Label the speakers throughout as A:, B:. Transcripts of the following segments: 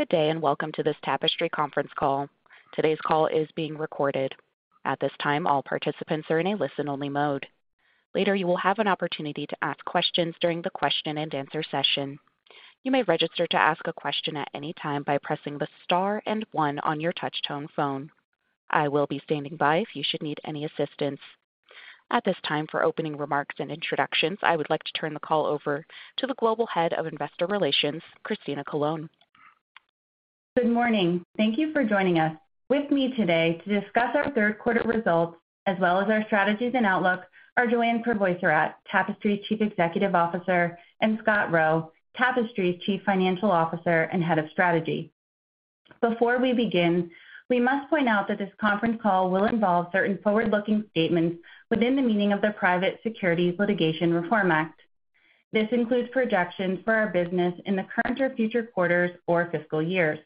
A: Good day, and welcome to this Tapestry conference call. Today's call is being recorded. At this time, all participants are in a listen-only mode. Later, you will have an opportunity to ask questions during the question-and-answer session. You may register to ask a question at any time by pressing the Star and One on your touchtone phone. I will be standing by if you should need any assistance. At this time, for opening remarks and introductions, I would like to turn the call over to the Global Head of Investor Relations, Christina Colone.
B: Good morning. Thank you for joining us. With me today to discuss our Q3 results as well as our strategies and outlook are Joanne Crevoiserat, Tapestry Chief Executive Officer, and Scott Roe, Tapestry's Chief Financial Officer and Head of Strategy. Before we begin, we must point out that this conference call will involve certain forward-looking statements within the meaning of the Private Securities Litigation Reform Act. This includes projections for our business in the current or future quarters or fiscal years.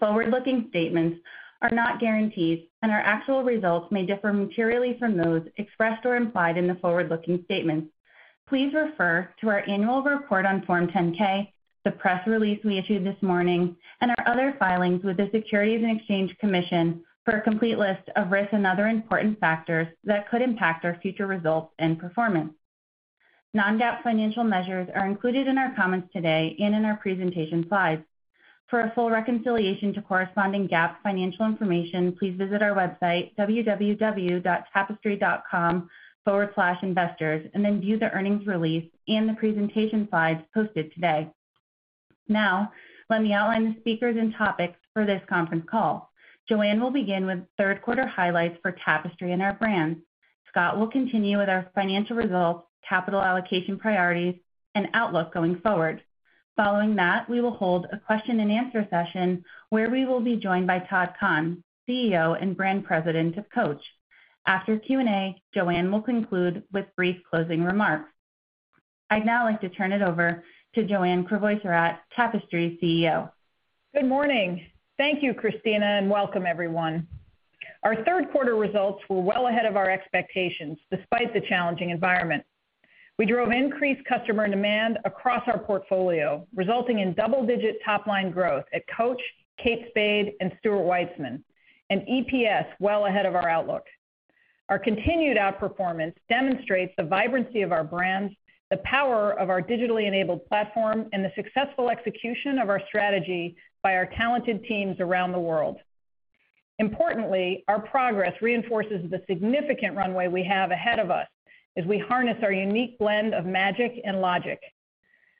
B: Forward-looking statements are not guarantees, and our actual results may differ materially from those expressed or implied in the forward-looking statements. Please refer to our annual report on Form 10-K, the press release we issued this morning, and our other filings with the Securities and Exchange Commission for a complete list of risks and other important factors that could impact our future results and performance. Non-GAAP financial measures are included in our comments today and in our presentation slides. For a full reconciliation to corresponding GAAP financial information, please visit our website, www.tapestry.com/investors, and then view the earnings release and the presentation slides posted today. Now, let me outline the speakers and topics for this conference call. Joanne Crevoiserat will begin with Q3 highlights for Tapestry and our brands. Scott Roe will continue with our financial results, capital allocation priorities, and outlook going forward. Following that, we will hold a question-and-answer session where we will be joined by Todd Kahn, CEO and Brand President of Coach. After Q&A, Joanne Crevoiserat will conclude with brief closing remarks. I'd now like to turn it over to Joanne Crevoiserat, Tapestry's CEO.
C: Good morning. Thank you, Christina, and welcome everyone. Our Q3 results were well ahead of our expectations despite the challenging environment. We drove increased customer demand across our portfolio, resulting in double-digit top-line growth at Coach, Kate Spade, and Stuart Weitzman, and EPS well ahead of our outlook. Our continued outperformance demonstrates the vibrancy of our brands, the power of our digitally enabled platform, and the successful execution of our strategy by our talented teams around the world. Importantly, our progress reinforces the significant runway we have ahead of us as we harness our unique blend of magic and logic.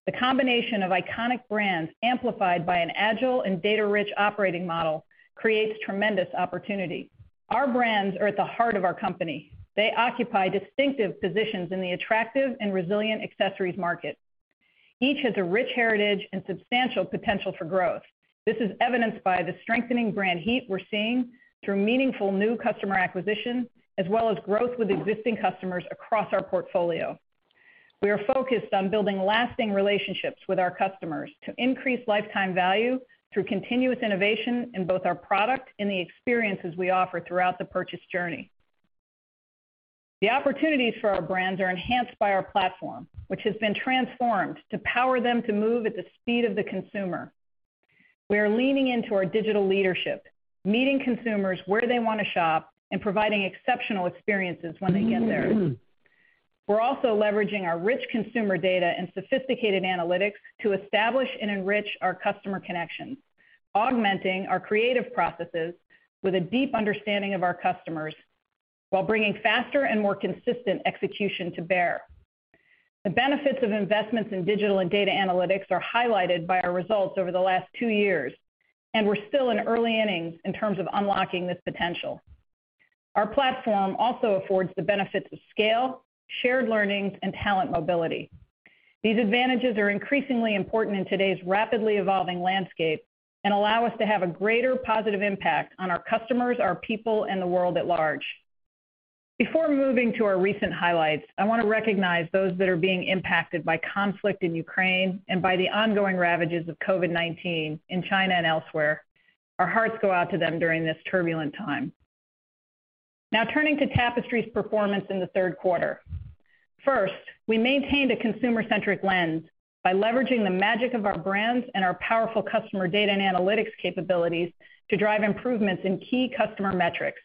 C: The combination of iconic brands amplified by an agile and data-rich operating model creates tremendous opportunity. Our brands are at the heart of our company. They occupy distinctive positions in the attractive and resilient accessories market. Each has a rich heritage and substantial potential for growth. This is evidenced by the strengthening brand heat we're seeing through meaningful new customer acquisition as well as growth with existing customers across our portfolio. We are focused on building lasting relationships with our customers to increase lifetime value through continuous innovation in both our product and the experiences we offer throughout the purchase journey. The opportunities for our brands are enhanced by our platform, which has been transformed to power them to move at the speed of the consumer. We are leaning into our digital leadership, meeting consumers where they want to shop, and providing exceptional experiences when they get there. We're also leveraging our rich consumer data and sophisticated analytics to establish and enrich our customer connections, augmenting our creative processes with a deep understanding of our customers while bringing faster and more consistent execution to bear. The benefits of investments in digital and data analytics are highlighted by our results over the last two years, and we're still in early innings in terms of unlocking this potential. Our platform also affords the benefits of scale, shared learnings, and talent mobility. These advantages are increasingly important in today's rapidly evolving landscape and allow us to have a greater positive impact on our customers, our people, and the world at large. Before moving to our recent highlights, I want to recognize those that are being impacted by conflict in Ukraine and by the ongoing ravages of COVID-19 in China and elsewhere. Our hearts go out to them during this turbulent time. Now turning to Tapestry's performance in the Q3. First, we maintained a consumer-centric lens by leveraging the magic of our brands and our powerful customer data and analytics capabilities to drive improvements in key customer metrics.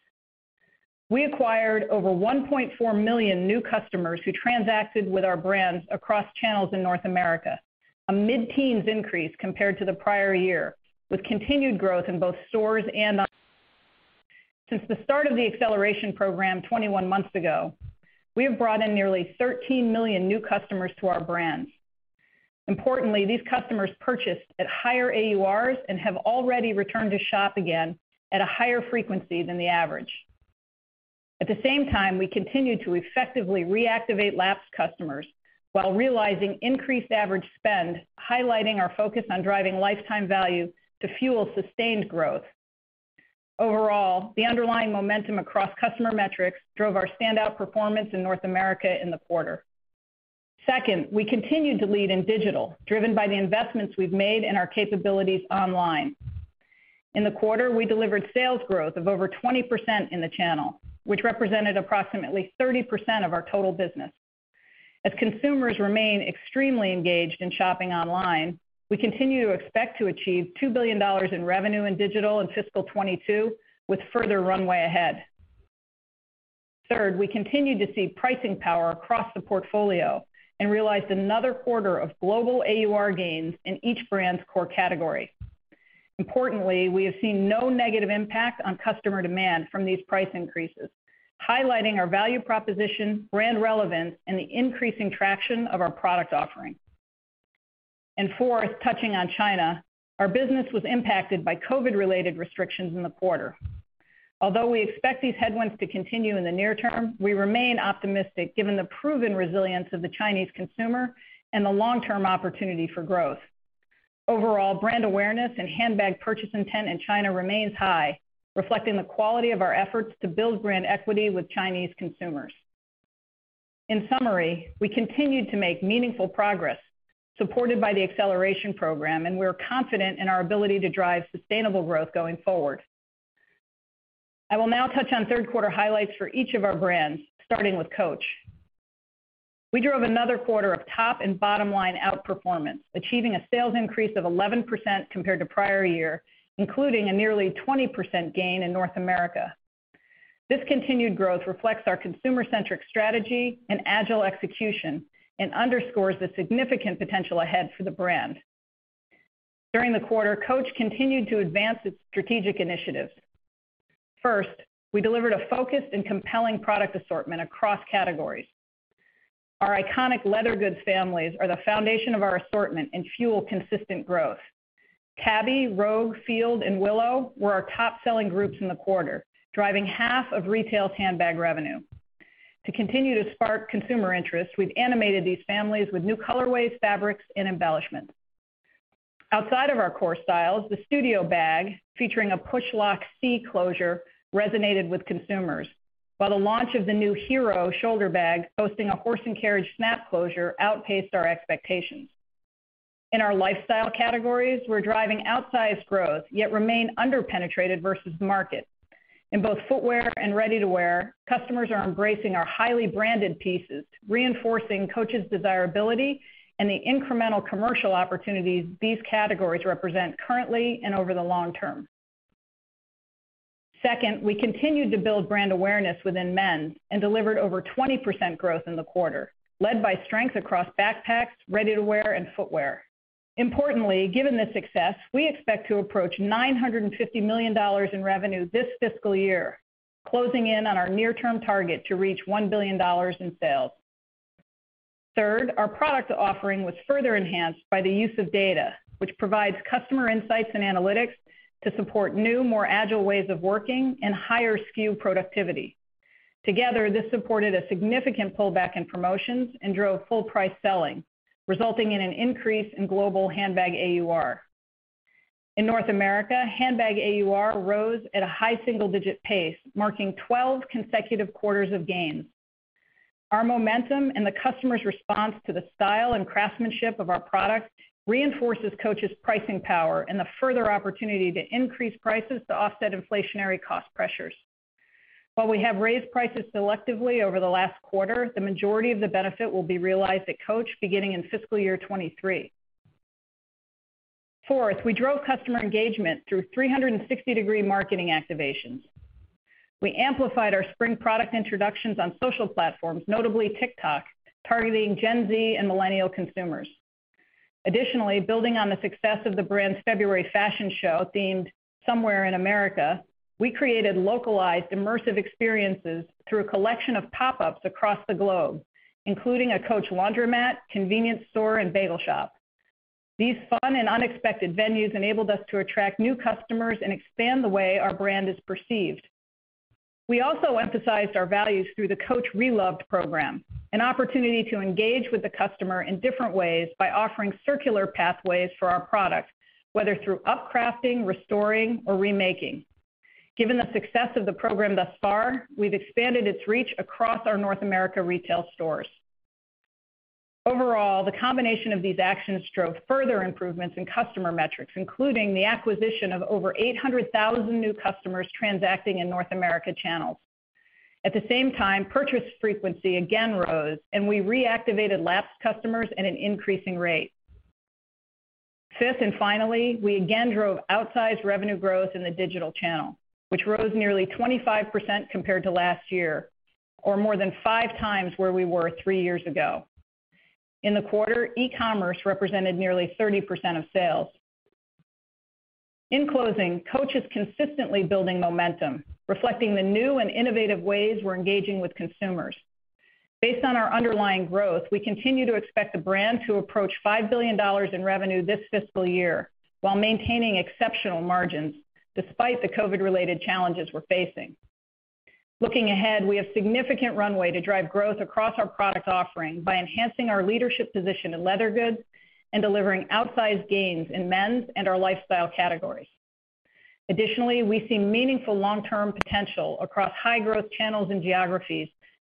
C: We acquired over 1.4 million new customers who transacted with our brands across channels in North America, a mid-teens increase compared to the prior year, with continued growth in both stores and online. Since the start of the Acceleration Program 21 months ago, we have brought in nearly 13 million new customers to our brands. Importantly, these customers purchased at higher AURs and have already returned to shop again at a higher frequency than the average. At the same time, we continue to effectively reactivate lapsed customers while realizing increased average spend, highlighting our focus on driving lifetime value to fuel sustained growth. Overall, the underlying momentum across customer metrics drove our standout performance in North America in the quarter. Second, we continued to lead in digital, driven by the investments we've made in our capabilities online. In the quarter, we delivered sales growth of over 20% in the channel, which represented approximately 30% of our total business. As consumers remain extremely engaged in shopping online, we continue to expect to achieve $2 billion in revenue in digital in fiscal 2022, with further runway ahead. Third, we continued to see pricing power across the portfolio and realized another quarter of global AUR gains in each brand's core category. Importantly, we have seen no negative impact on customer demand from these price increases, highlighting our value proposition, brand relevance, and the increasing traction of our product offering. Fourth, touching on China, our business was impacted by COVID-related restrictions in the quarter. Although we expect these headwinds to continue in the near term, we remain optimistic given the proven resilience of the Chinese consumer and the long-term opportunity for growth. Overall brand awareness and handbag purchase intent in China remains high, reflecting the quality of our efforts to build brand equity with Chinese consumers. In summary, we continued to make meaningful progress supported by the acceleration program, and we're confident in our ability to drive sustainable growth going forward. I will now touch on Q3 highlights for each of our brands, starting with Coach. We drove another quarter of top and bottom line outperformance, achieving a sales increase of 11% compared to prior year, including a nearly 20% gain in North America. This continued growth reflects our consumer-centric strategy and agile execution and underscores the significant potential ahead for the brand. During the quarter, Coach continued to advance its strategic initiatives. First, we delivered a focused and compelling product assortment across categories. Our iconic leather goods families are the foundation of our assortment and fuel consistent growth. Tabby, Rogue, Field, and Willow were our top-selling groups in the quarter, driving half of retail handbag revenue. To continue to spark consumer interest, we've animated these families with new colorways, fabrics, and embellishments. Outside of our core styles, the Studio bag, featuring a push-lock C closure, resonated with consumers, while the launch of the new Hero shoulder bag, boasting a Horse and Carriage snap closure, outpaced our expectations. In our lifestyle categories, we're driving outsized growth, yet remain under-penetrated versus market. In both footwear and ready-to-wear, customers are embracing our highly branded pieces, reinforcing Coach's desirability and the incremental commercial opportunities these categories represent currently and over the long term. Second, we continued to build brand awareness within men's and delivered over 20% growth in the quarter, led by strength across backpacks, ready-to-wear, and footwear. Importantly, given this success, we expect to approach $950 million in revenue this fiscal year, closing in on our near-term target to reach $1 billion in sales. Third, our product offering was further enhanced by the use of data, which provides customer insights and analytics to support new, more agile ways of working and higher SKU productivity. Together, this supported a significant pullback in promotions and drove full-price selling, resulting in an increase in global handbag AUR. In North America, handbag AUR rose at a high single-digit pace, marking 12 consecutive quarters of gains. Our momentum and the customer's response to the style and craftsmanship of our product reinforces Coach's pricing power and the further opportunity to increase prices to offset inflationary cost pressures. While we have raised prices selectively over the last quarter, the majority of the benefit will be realized at Coach beginning in fiscal year 2023. Fourth, we drove customer engagement through 360-degree marketing activations. We amplified our spring product introductions on social platforms, notably TikTok, targeting Gen Z and millennial consumers. Additionally, building on the success of the brand's February fashion show themed Somewhere in America, we created localized immersive experiences through a collection of pop-ups across the globe, including a Coach laundromat, convenience store, and bagel shop. These fun and unexpected venues enabled us to attract new customers and expand the way our brand is perceived. We also emphasized our values through the Coach (Re)Loved program, an opportunity to engage with the customer in different ways by offering circular pathways for our product, whether through up-crafting, restoring, or remaking. Given the success of the program thus far, we've expanded its reach across our North America retail stores. Overall, the combination of these actions drove further improvements in customer metrics, including the acquisition of over 800,000 new customers transacting in North America channels. At the same time, purchase frequency again rose, and we reactivated lapsed customers at an increasing rate. Fifth, and finally, we again drove outsized revenue growth in the digital channel, which rose nearly 25% compared to last year or more than 5x where we were three years ago. In the quarter, e-commerce represented nearly 30% of sales. In closing, Coach is consistently building momentum, reflecting the new and innovative ways we're engaging with consumers. Based on our underlying growth, we continue to expect the brand to approach $5 billion in revenue this fiscal year while maintaining exceptional margins despite the COVID-related challenges we're facing. Looking ahead, we have significant runway to drive growth across our product offering by enhancing our leadership position in leather goods and delivering outsized gains in men's and our lifestyle categories. Additionally, we see meaningful long-term potential across high-growth channels and geographies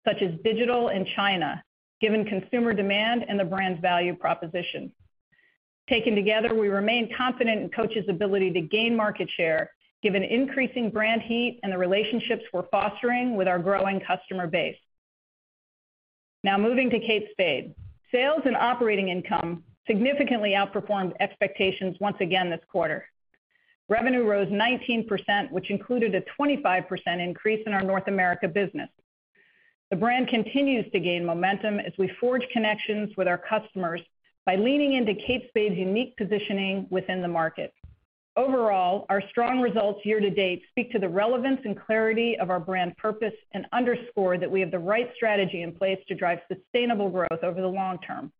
C: such as digital and China, given consumer demand and the brand's value proposition. Taken together, we remain confident in Coach's ability to gain market share given increasing brand heat and the relationships we're fostering with our growing customer base. Now moving to Kate Spade. Sales and operating income significantly outperformed expectations once again this quarter. Revenue rose 19%, which included a 25% increase in our North America business. The brand continues to gain momentum as we forge connections with our customers by leaning into Kate Spade's unique positioning within the market. Overall, our strong results year to date speak to the relevance and clarity of our brand purpose and underscore that we have the right strategy in place to drive sustainable growth over the long term.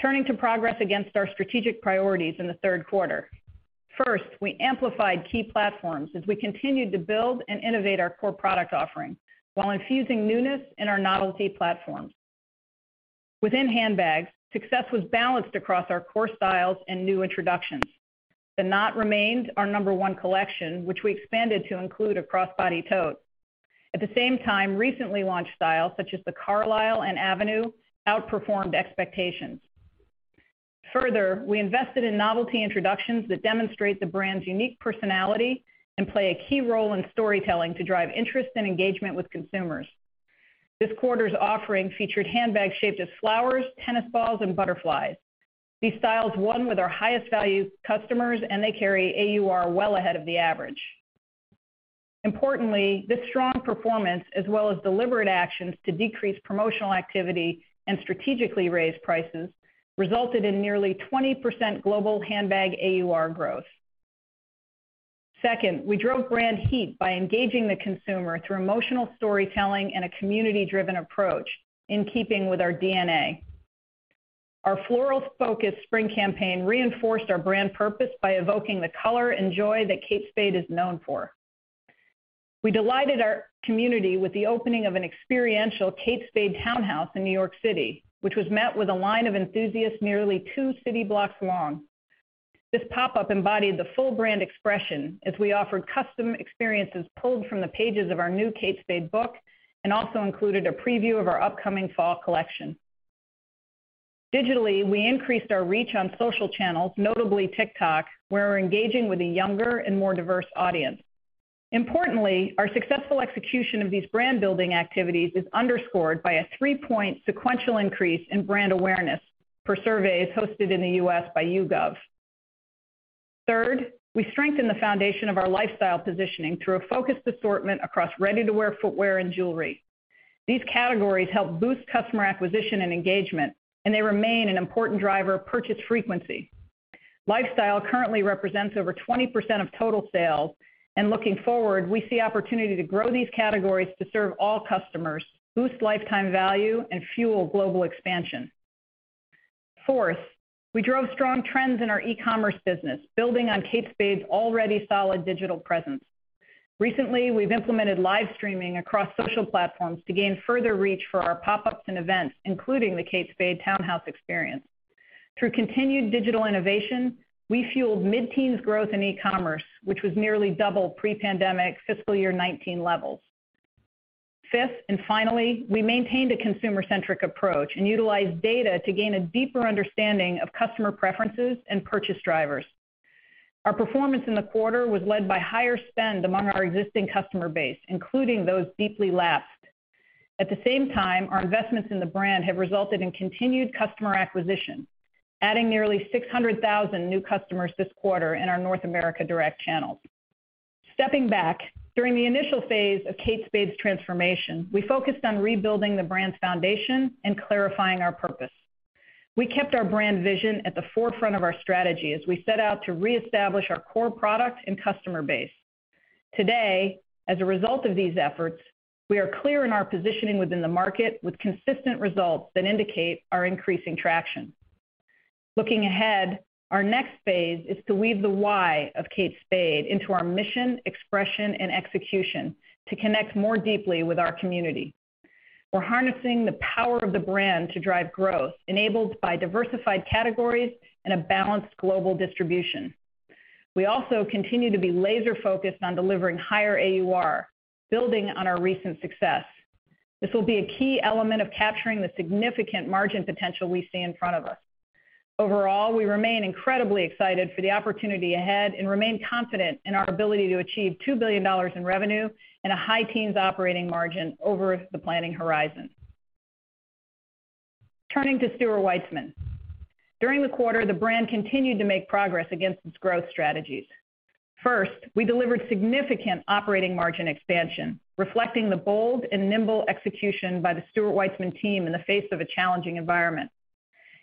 C: Turning to progress against our strategic priorities in the Q3. First, we amplified key platforms as we continued to build and innovate our core product offering while infusing newness in our novelty platforms. Within handbags, success was balanced across our core styles and new introductions. The Knott remains our number one collection, which we expanded to include a crossbody tote. At the same time, recently launched styles such as the Carlyle and Avenue outperformed expectations. Further, we invested in novelty introductions that demonstrate the brand's unique personality and play a key role in storytelling to drive interest and engagement with consumers. This quarter's offering featured handbags shaped as flowers, tennis balls, and butterflies. These styles won with our highest value customers, and they carry AUR well ahead of the average. Importantly, this strong performance, as well as deliberate actions to decrease promotional activity and strategically raise prices, resulted in nearly 20% global handbag AUR growth. Second, we drove brand heat by engaging the consumer through emotional storytelling and a community-driven approach in keeping with our DNA. Our floral-focused spring campaign reinforced our brand purpose by evoking the color and joy that Kate Spade is known for. We delighted our community with the opening of an experiential Kate Spade townhouse in New York City, which was met with a line of enthusiasts nearly two city blocks long. This pop-up embodied the full brand expression as we offered custom experiences pulled from the pages of our new Kate Spade book and also included a preview of our upcoming fall collection. Digitally, we increased our reach on social channels, notably TikTok, where we're engaging with a younger and more diverse audience. Importantly, our successful execution of these brand-building activities is underscored by a three-point sequential increase in brand awareness per surveys hosted in the US by YouGov. Third, we strengthened the foundation of our lifestyle positioning through a focused assortment across ready-to-wear footwear and jewelry. These categories help boost customer acquisition and engagement, and they remain an important driver of purchase frequency. Lifestyle currently represents over 20% of total sales, and looking forward, we see opportunity to grow these categories to serve all customers, boost lifetime value, and fuel global expansion. Fourth, we drove strong trends in our e-commerce business, building on Kate Spade's already solid digital presence. Recently, we've implemented live streaming across social platforms to gain further reach for our pop-ups and events, including the Kate Spade Townhouse experience. Through continued digital innovation, we fueled mid-teens growth in e-commerce, which was nearly double pre-pandemic fiscal year 2019 levels. Fifth, and finally, we maintained a consumer-centric approach and utilized data to gain a deeper understanding of customer preferences and purchase drivers. Our performance in the quarter was led by higher spend among our existing customer base, including those deeply lapsed. At the same time, our investments in the brand have resulted in continued customer acquisition, adding nearly 600,000 new customers this quarter in our North America direct channels. Stepping back, during the initial phase of Kate Spade's transformation, we focused on rebuilding the brand's foundation and clarifying our purpose. We kept our brand vision at the forefront of our strategy as we set out to reestablish our core product and customer base. Today, as a result of these efforts, we are clear in our positioning within the market with consistent results that indicate our increasing traction. Looking ahead, our next phase is to weave the why of Kate Spade into our mission, expression, and execution to connect more deeply with our community. We're harnessing the power of the brand to drive growth enabled by diversified categories and a balanced global distribution. We also continue to be laser-focused on delivering higher AUR, building on our recent success. This will be a key element of capturing the significant margin potential we see in front of us. Overall, we remain incredibly excited for the opportunity ahead and remain confident in our ability to achieve $2 billion in revenue and a high-teens operating margin over the planning horizon. Turning to Stuart Weitzman. During the quarter, the brand continued to make progress against its growth strategies. First, we delivered significant operating margin expansion, reflecting the bold and nimble execution by the Stuart Weitzman team in the face of a challenging environment.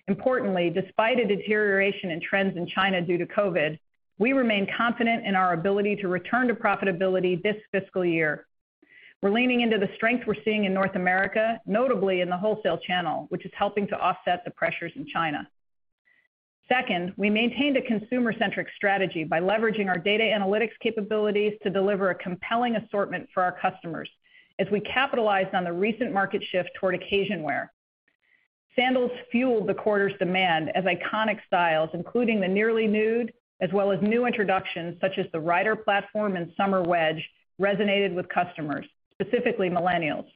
C: Importantly, despite a deterioration in trends in China due to COVID, we remain confident in our ability to return to profitability this fiscal year. We're leaning into the strength we're seeing in North America, notably in the wholesale channel, which is helping to offset the pressures in China. Second, we maintained a consumer-centric strategy by leveraging our data analytics capabilities to deliver a compelling assortment for our customers as we capitalized on the recent market shift toward occasion wear. Sandals fueled the quarter's demand as iconic styles, including the Nearly Nude, as well as new introductions such as the Rider Platform and Summer Wedge, resonated with customers, specifically Millennials.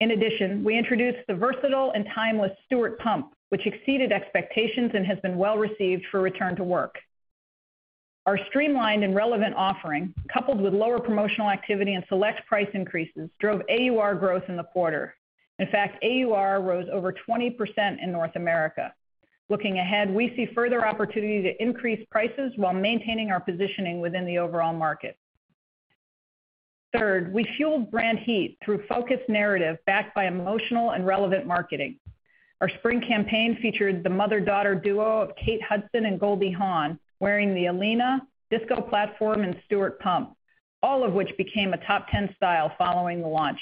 C: In addition, we introduced the versatile and timeless Stuart Pump, which exceeded expectations and has been well-received for return to work. Our streamlined and relevant offering, coupled with lower promotional activity and select price increases, drove AUR growth in the quarter. In fact, AUR rose over 20% in North America. Looking ahead, we see further opportunity to increase prices while maintaining our positioning within the overall market. Third, we fueled brand heat through focused narrative backed by emotional and relevant marketing. Our spring campaign featured the mother-daughter duo of Kate Hudson and Goldie Hawn wearing the Alina, Disco-platform, and Stuart Pump, all of which became a top 10 style following the launch.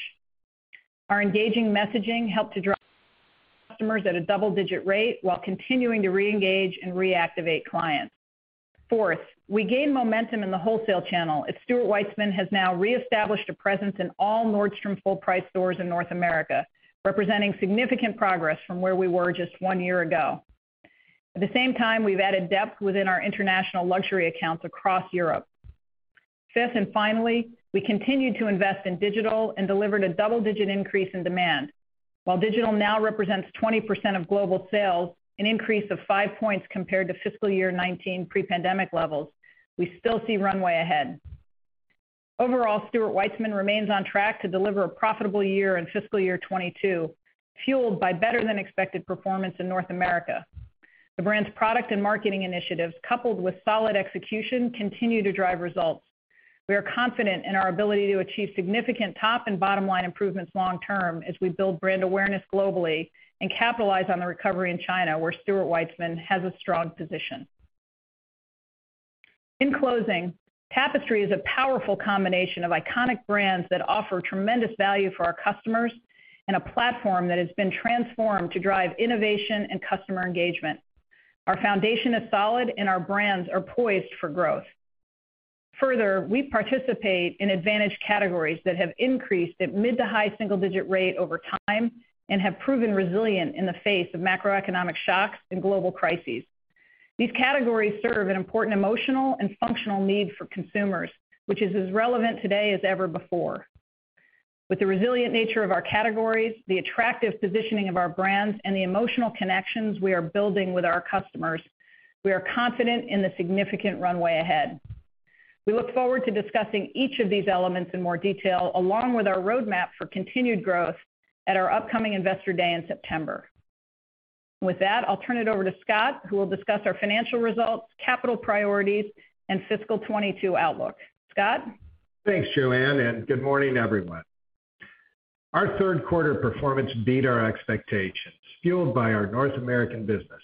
C: Our engaging messaging helped to draw customers at a double-digit rate while continuing to reengage and reactivate clients. Fourth, we gained momentum in the wholesale channel as Stuart Weitzman has now reestablished a presence in all Nordstrom full-price stores in North America, representing significant progress from where we were just one year ago. At the same time, we've added depth within our international luxury accounts across Europe. Fifth, and finally, we continued to invest in digital and delivered a double-digit increase in demand. While digital now represents 20% of global sales, an increase of five points compared to fiscal year 2019 pre-pandemic levels, we still see runway ahead. Overall, Stuart Weitzman remains on track to deliver a profitable year in fiscal year 2022, fueled by better-than-expected performance in North America. The brand's product and marketing initiatives, coupled with solid execution, continue to drive results. We are confident in our ability to achieve significant top and bottom-line improvements long term as we build brand awareness globally and capitalize on the recovery in China, where Stuart Weitzman has a strong position. In closing, Tapestry is a powerful combination of iconic brands that offer tremendous value for our customers and a platform that has been transformed to drive innovation and customer engagement. Our foundation is solid, and our brands are poised for growth. Further, we participate in advantage categories that have increased at mid-to-high single-digit rate over time and have proven resilient in the face of macroeconomic shocks and global crises. These categories serve an important emotional and functional need for consumers, which is as relevant today as ever before. With the resilient nature of our categories, the attractive positioning of our brands, and the emotional connections we are building with our customers, we are confident in the significant runway ahead. We look forward to discussing each of these elements in more detail, along with our roadmap for continued growth at our upcoming Investor Day in September. With that, I'll turn it over to Scott, who will discuss our financial results, capital priorities, and fiscal 2022 outlook. Scott?
D: Thanks, Joanne, and good morning, everyone. Our Q3 performance beat our expectations, fueled by our North American business.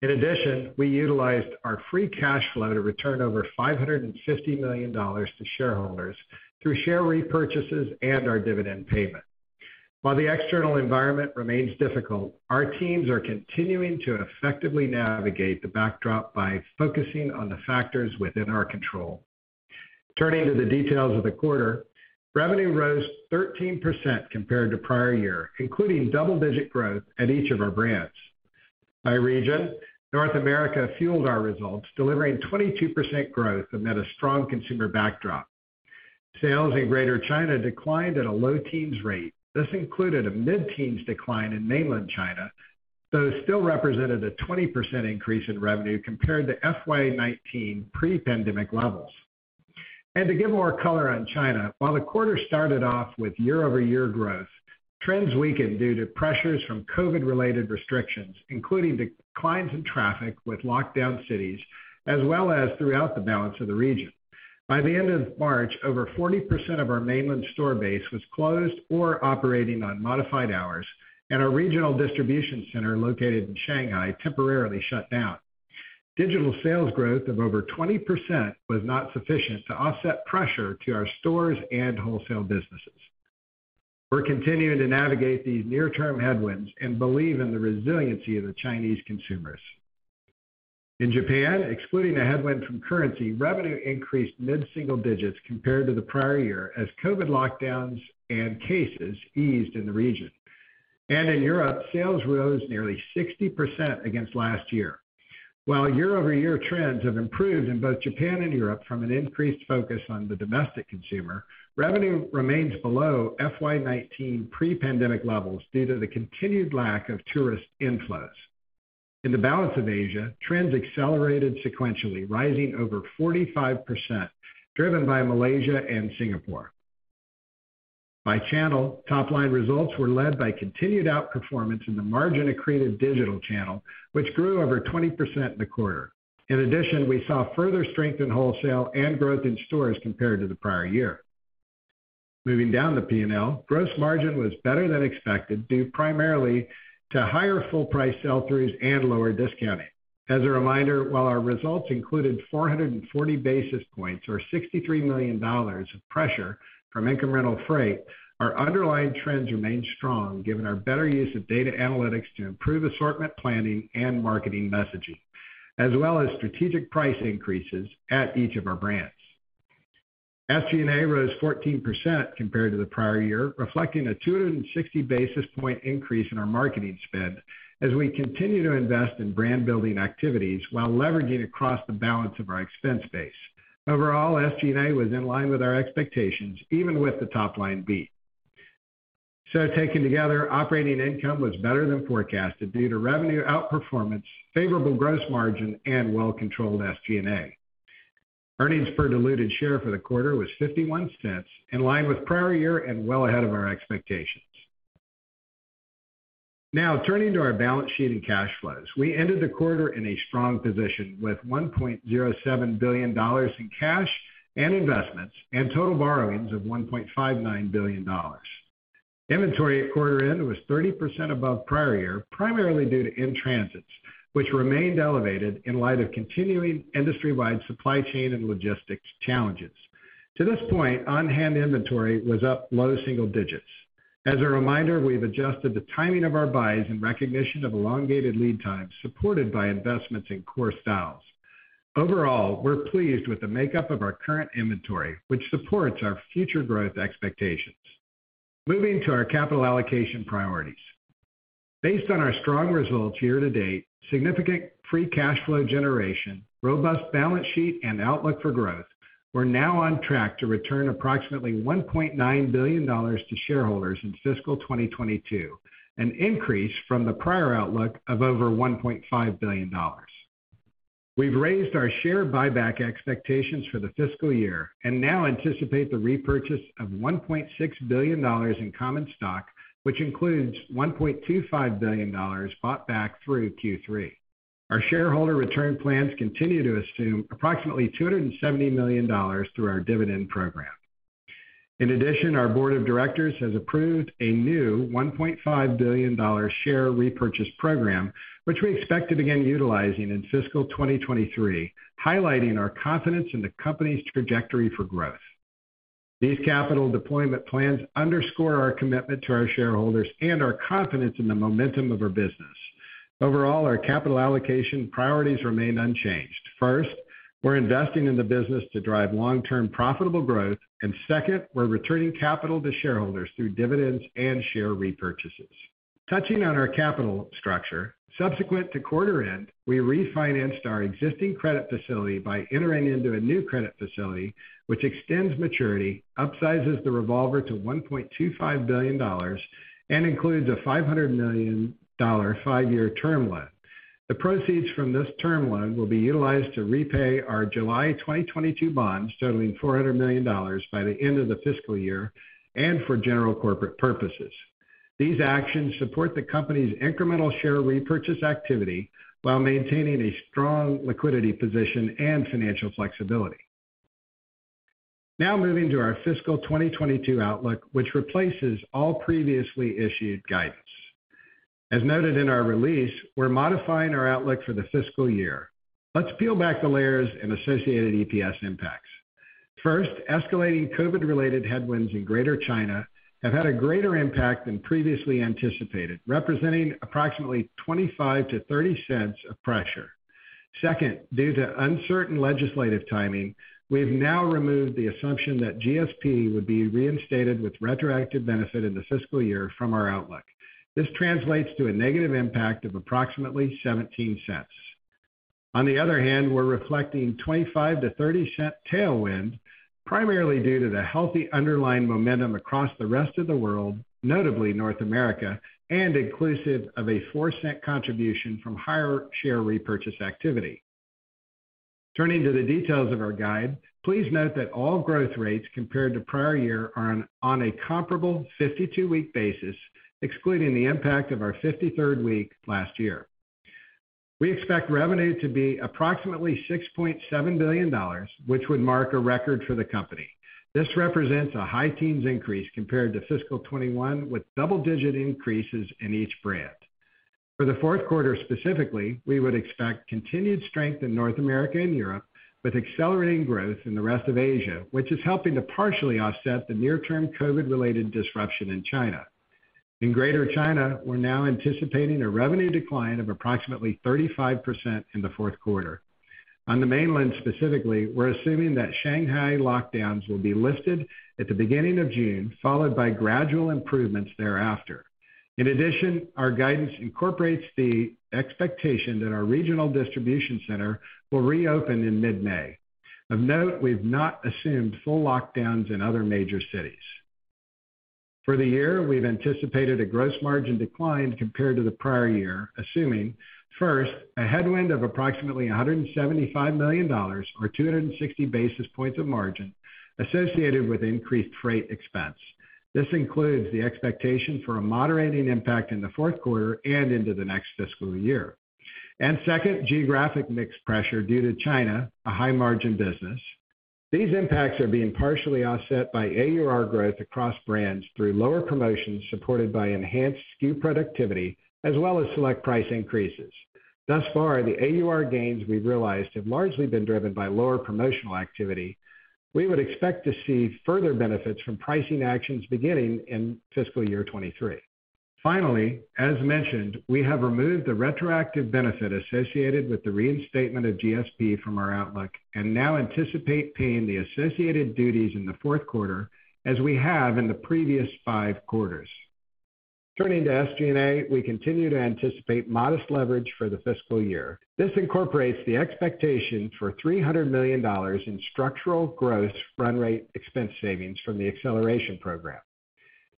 D: In addition, we utilized our free cash flow to return over $550 million to shareholders through share repurchases and our dividend payment. While the external environment remains difficult, our teams are continuing to effectively navigate the backdrop by focusing on the factors within our control. Turning to the details of the quarter, revenue rose 13% compared to prior year, including double-digit growth at each of our brands. By region, North America fueled our results, delivering 22% growth amid a strong consumer backdrop. Sales in Greater China declined at a low-teens rate. This included a mid-teens decline in Mainland China, though it still represented a 20% increase in revenue compared to FY19 pre-pandemic levels. To give more color on China, while the quarter started off with year-over-year growth, trends weakened due to pressures from COVID-related restrictions, including declines in traffic with locked down cities, as well as throughout the balance of the region. By the end of March, over 40% of our Mainland store base was closed or operating on modified hours, and our regional distribution center located in Shanghai temporarily shut down. Digital sales growth of over 20% was not sufficient to offset pressure to our stores and wholesale businesses. We're continuing to navigate these near-term headwinds and believe in the resiliency of the Chinese consumers. In Japan, excluding the headwind from currency, revenue increased mid-single digits compared to the prior year as COVID lockdowns and cases eased in the region. In Europe, sales rose nearly 60% against last year. While year-over-year trends have improved in both Japan and Europe from an increased focus on the domestic consumer, revenue remains below FY19 pre-pandemic levels due to the continued lack of tourist inflows. In the balance of Asia, trends accelerated sequentially, rising over 45%, driven by Malaysia and Singapore. By channel, top-line results were led by continued outperformance in the margin-accretive digital channel, which grew over 20% in the quarter. In addition, we saw further strength in wholesale and growth in stores compared to the prior year. Moving down the P&L, gross margin was better than expected, due primarily to higher full price sell-throughs and lower discounting. As a reminder, while our results included 440 basis points or $63 million of pressure from incremental freight, our underlying trends remain strong given our better use of data analytics to improve assortment planning and marketing messaging, as well as strategic price increases at each of our brands. SG&A rose 14% compared to the prior year, reflecting a 260 basis point increase in our marketing spend as we continue to invest in brand-building activities while leveraging across the balance of our expense base. Overall, SG&A was in line with our expectations, even with the top-line beat. Taken together, operating income was better than forecasted due to revenue outperformance, favorable gross margin, and well-controlled SG&A. Earnings per diluted share for the quarter was $0.51, in line with prior year and well ahead of our expectations. Now turning to our balance sheet and cash flows. We ended the quarter in a strong position with $1.07 billion in cash and investments and total borrowings of $1.59 billion. Inventory at quarter end was 30% above prior year, primarily due to in-transits, which remained elevated in light of continuing industry wide supply chain and logistics challenges. To this point, on-hand inventory was up low single digits. As a reminder, we've adjusted the timing of our buys in recognition of elongated lead times, supported by investments in core styles. Overall, we're pleased with the makeup of our current inventory, which supports our future growth expectations. Moving to our capital allocation priorities. Based on our strong results year to date, significant free cash flow generation, robust balance sheet, and outlook for growth, we're now on track to return approximately $1.9 billion to shareholders in fiscal 2022, an increase from the prior outlook of over $1.5 billion. We've raised our share buyback expectations for the fiscal year and now anticipate the repurchase of $1.6 billion in common stock, which includes $1.25 billion bought back through Q3. Our shareholder return plans continue to assume approximately $270 million through our dividend program. In addition, our board of directors has approved a new $1.5 billion share repurchase program, which we expect to begin utilizing in fiscal 2023, highlighting our confidence in the company's trajectory for growth. These capital deployment plans underscore our commitment to our shareholders and our confidence in the momentum of our business. Overall, our capital allocation priorities remain unchanged. First, we're investing in the business to drive long-term profitable growth. Second, we're returning capital to shareholders through dividends and share repurchases. Touching on our capital structure, subsequent to quarter end, we refinanced our existing credit facility by entering into a new credit facility, which extends maturity, upsizes the revolver to $1.25 billion, and includes a $500 million five-year term loan. The proceeds from this term loan will be utilized to repay our July 2022 bonds totaling $400 million by the end of the fiscal year and for general corporate purposes. These actions support the company's incremental share repurchase activity while maintaining a strong liquidity position and financial flexibility. Now moving to our fiscal 2022 outlook, which replaces all previously issued guidance. As noted in our release, we're modifying our outlook for the fiscal year. Let's peel back the layers and associated EPS impacts. First, escalating COVID-related headwinds in Greater China have had a greater impact than previously anticipated, representing approximately $0.25 to $0.30 of pressure. Second, due to uncertain legislative timing, we've now removed the assumption that GSP would be reinstated with retroactive benefit in the fiscal year from our outlook. This translates to a negative impact of approximately $0.17. On the other hand, we're reflecting $0.25 to $0.30 cents tailwind primarily due to the healthy underlying momentum across the rest of the world, notably North America, and inclusive of a $0.04 contribution from higher share repurchase activity. Turning to the details of our guide, please note that all growth rates compared to prior year are on a comparable 52 week basis, excluding the impact of our 53rd week last year. We expect revenue to be approximately $6.7 billion, which would mark a record for the company. This represents a high teens increase compared to fiscal 2021, with double-digit increases in each brand. For the Q4 specifically, we would expect continued strength in North America and Europe with accelerating growth in the rest of Asia, which is helping to partially offset the near-term COVID-related disruption in China. In Greater China, we're now anticipating a revenue decline of approximately 35% in the Q4. On the mainland specifically, we're assuming that Shanghai lockdowns will be lifted at the beginning of June, followed by gradual improvements thereafter. In addition, our guidance incorporates the expectation that our regional distribution center will reopen in mid-May. Of note, we've not assumed full lockdowns in other major cities. For the year, we've anticipated a gross margin decline compared to the prior year, assuming, first, a headwind of approximately $175 million or 260 basis points of margin associated with increased freight expense. This includes the expectation for a moderating impact in the Q4 and into the next fiscal year. Second, geographic mix pressure due to China, a high margin business. These impacts are being partially offset by AUR growth across brands through lower promotions supported by enhanced SKU productivity as well as select price increases. Thus far, the AUR gains we've realized have largely been driven by lower promotional activity. We would expect to see further benefits from pricing actions beginning in fiscal year 2023. Finally, as mentioned, we have removed the retroactive benefit associated with the reinstatement of GSP from our outlook and now anticipate paying the associated duties in the Q4 as we have in the previous 5 quarters. Turning to SG&A, we continue to anticipate modest leverage for the fiscal year. This incorporates the expectation for $300 million in structural gross run rate expense savings from the Acceleration Program.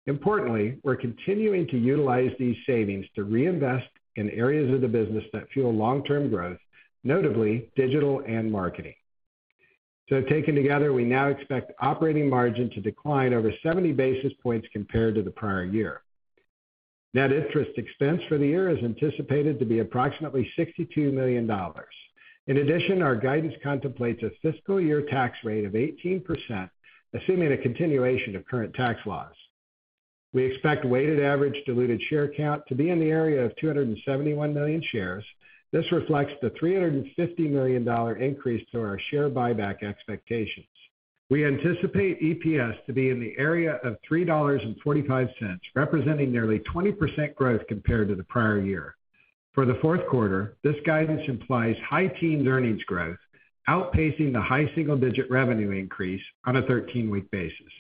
D: Importantly, we're continuing to utilize these savings to reinvest in areas of the business that fuel long-term growth, notably digital and marketing. Taken together, we now expect operating margin to decline over 70 basis points compared to the prior year. Net interest expense for the year is anticipated to be approximately $62 million. In addition, our guidance contemplates a fiscal year tax rate of 18%, assuming a continuation of current tax laws. We expect weighted average diluted share count to be in the area of 271 million shares. This reflects the $350 million increase to our share buyback expectations. We anticipate EPS to be in the area of $3.45, representing nearly 20% growth compared to the prior year. For the Q4, this guidance implies high teens earnings growth, outpacing the high single-digit revenue increase on a 13 week basis.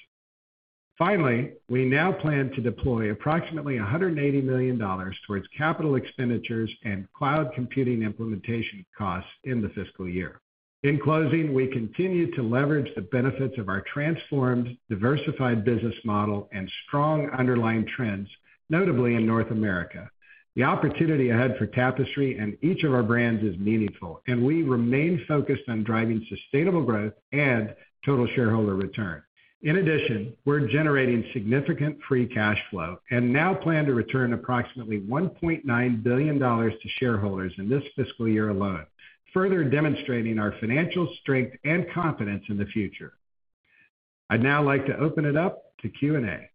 D: Finally, we now plan to deploy approximately $180 million towards capital expenditures and cloud computing implementation costs in the fiscal year. In closing, we continue to leverage the benefits of our transformed, diversified business model and strong underlying trends, notably in North America. The opportunity ahead for Tapestry and each of our brands is meaningful, and we remain focused on driving sustainable growth and total shareholder return. In addition, we're generating significant free cash flow and now plan to return approximately $1.9 billion to shareholders in this fiscal year alone, further demonstrating our financial strength and confidence in the future. I'd now like to open it up to Q&A.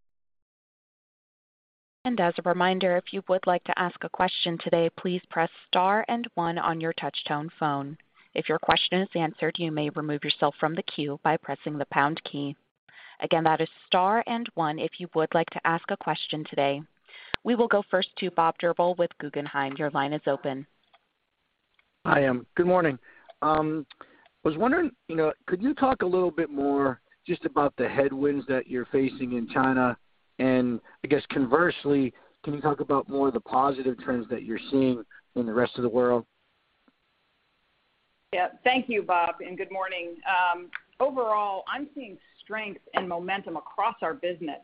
A: As a reminder, if you would like to ask a question today, please press star and one on your touch-tone phone. If your question is answered, you may remove yourself from the queue by pressing the pound key. Again, that is star and one if you would like to ask a question today. We will go first to Bob Drbul with Guggenheim. Your line is open.
E: Hi, good morning. I was wondering, you know, could you talk a little bit more just about the headwinds that you're facing in China? I guess conversely, can you talk about more of the positive trends that you're seeing in the rest of the world?
C: Yeah. Thank you, Bob, and good morning. Overall, I'm seeing strength and momentum across our business.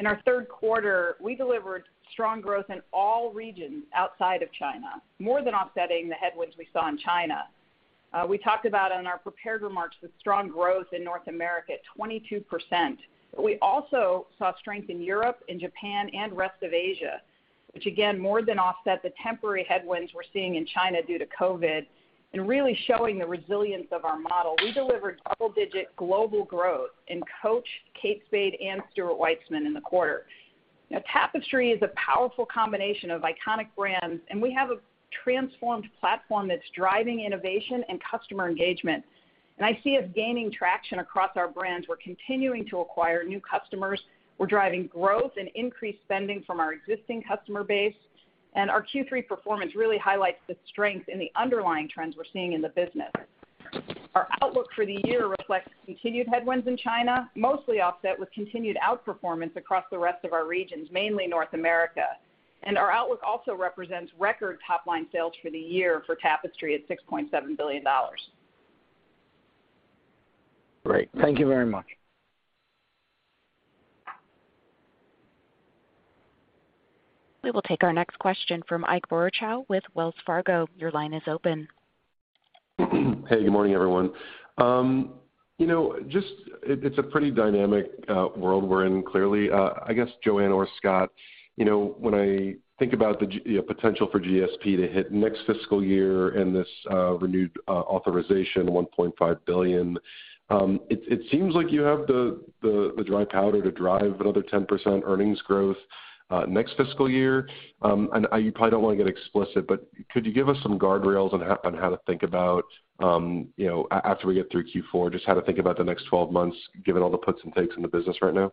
C: In our Q3 we delivered strong growth in all regions outside of China, more than offsetting the headwinds we saw in China. We talked about in our prepared remarks the strong growth in North America at 22%. We also saw strength in Europe, in Japan, and rest of Asia, which again, more than offset the temporary headwinds we're seeing in China due to COVID and really showing the resilience of our model. We delivered double-digit global growth in Coach, Kate Spade, and Stuart Weitzman in the quarter. Now Tapestry is a powerful combination of iconic brands, and we have a transformed platform that's driving innovation and customer engagement. I see us gaining traction across our brands. We're continuing to acquire new customers. We're driving growth and increased spending from our existing customer base. Our Q3 performance really highlights the strength in the underlying trends we're seeing in the business. Our outlook for the year reflects continued headwinds in China, mostly offset with continued outperformance across the rest of our regions, mainly North America. Our outlook also represents record top-line sales for the year for Tapestry at $6.7 billion.
E: Great. Thank you very much.
A: We will take our next question from Ike Boruchow with Wells Fargo. Your line is open.
F: Hey, good morning, everyone. You know, it's a pretty dynamic world we're in, clearly. I guess, Joanne or Scott, you know, when I think about the potential for GSP to hit next fiscal year and this renewed authorization $1.5 billion, it seems like you have the dry powder to drive another 10% earnings growth next fiscal year. You probably don't want to get explicit, but could you give us some guardrails on how to think about, you know, after we get through Q4, just how to think about the next 12 months, given all the puts and takes in the business right now?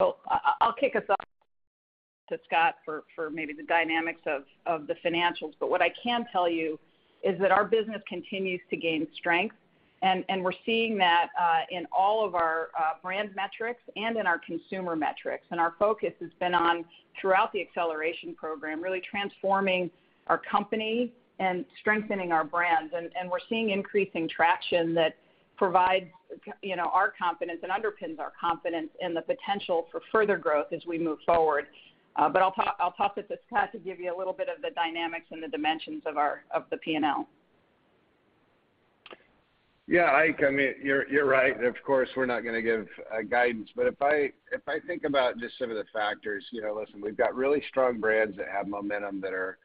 C: Well, I'll kick us off to Scott for maybe the dynamics of the financials. What I can tell you is that our business continues to gain strength, and we're seeing that in all of our brand metrics and in our consumer metrics. Our focus has been on, throughout the Acceleration Program, really transforming our company and strengthening our brands. We're seeing increasing traction that provides you know our confidence and underpins our confidence in the potential for further growth as we move forward. But I'll toss it to Scott to give you a little bit of the dynamics and the dimensions of our of the P&L.
D: Yeah, Ike, I mean, you're right. Of course, we're not gonna give guidance. But if I think about just some of the factors, you know, listen, we've got really strong brands that have momentum that are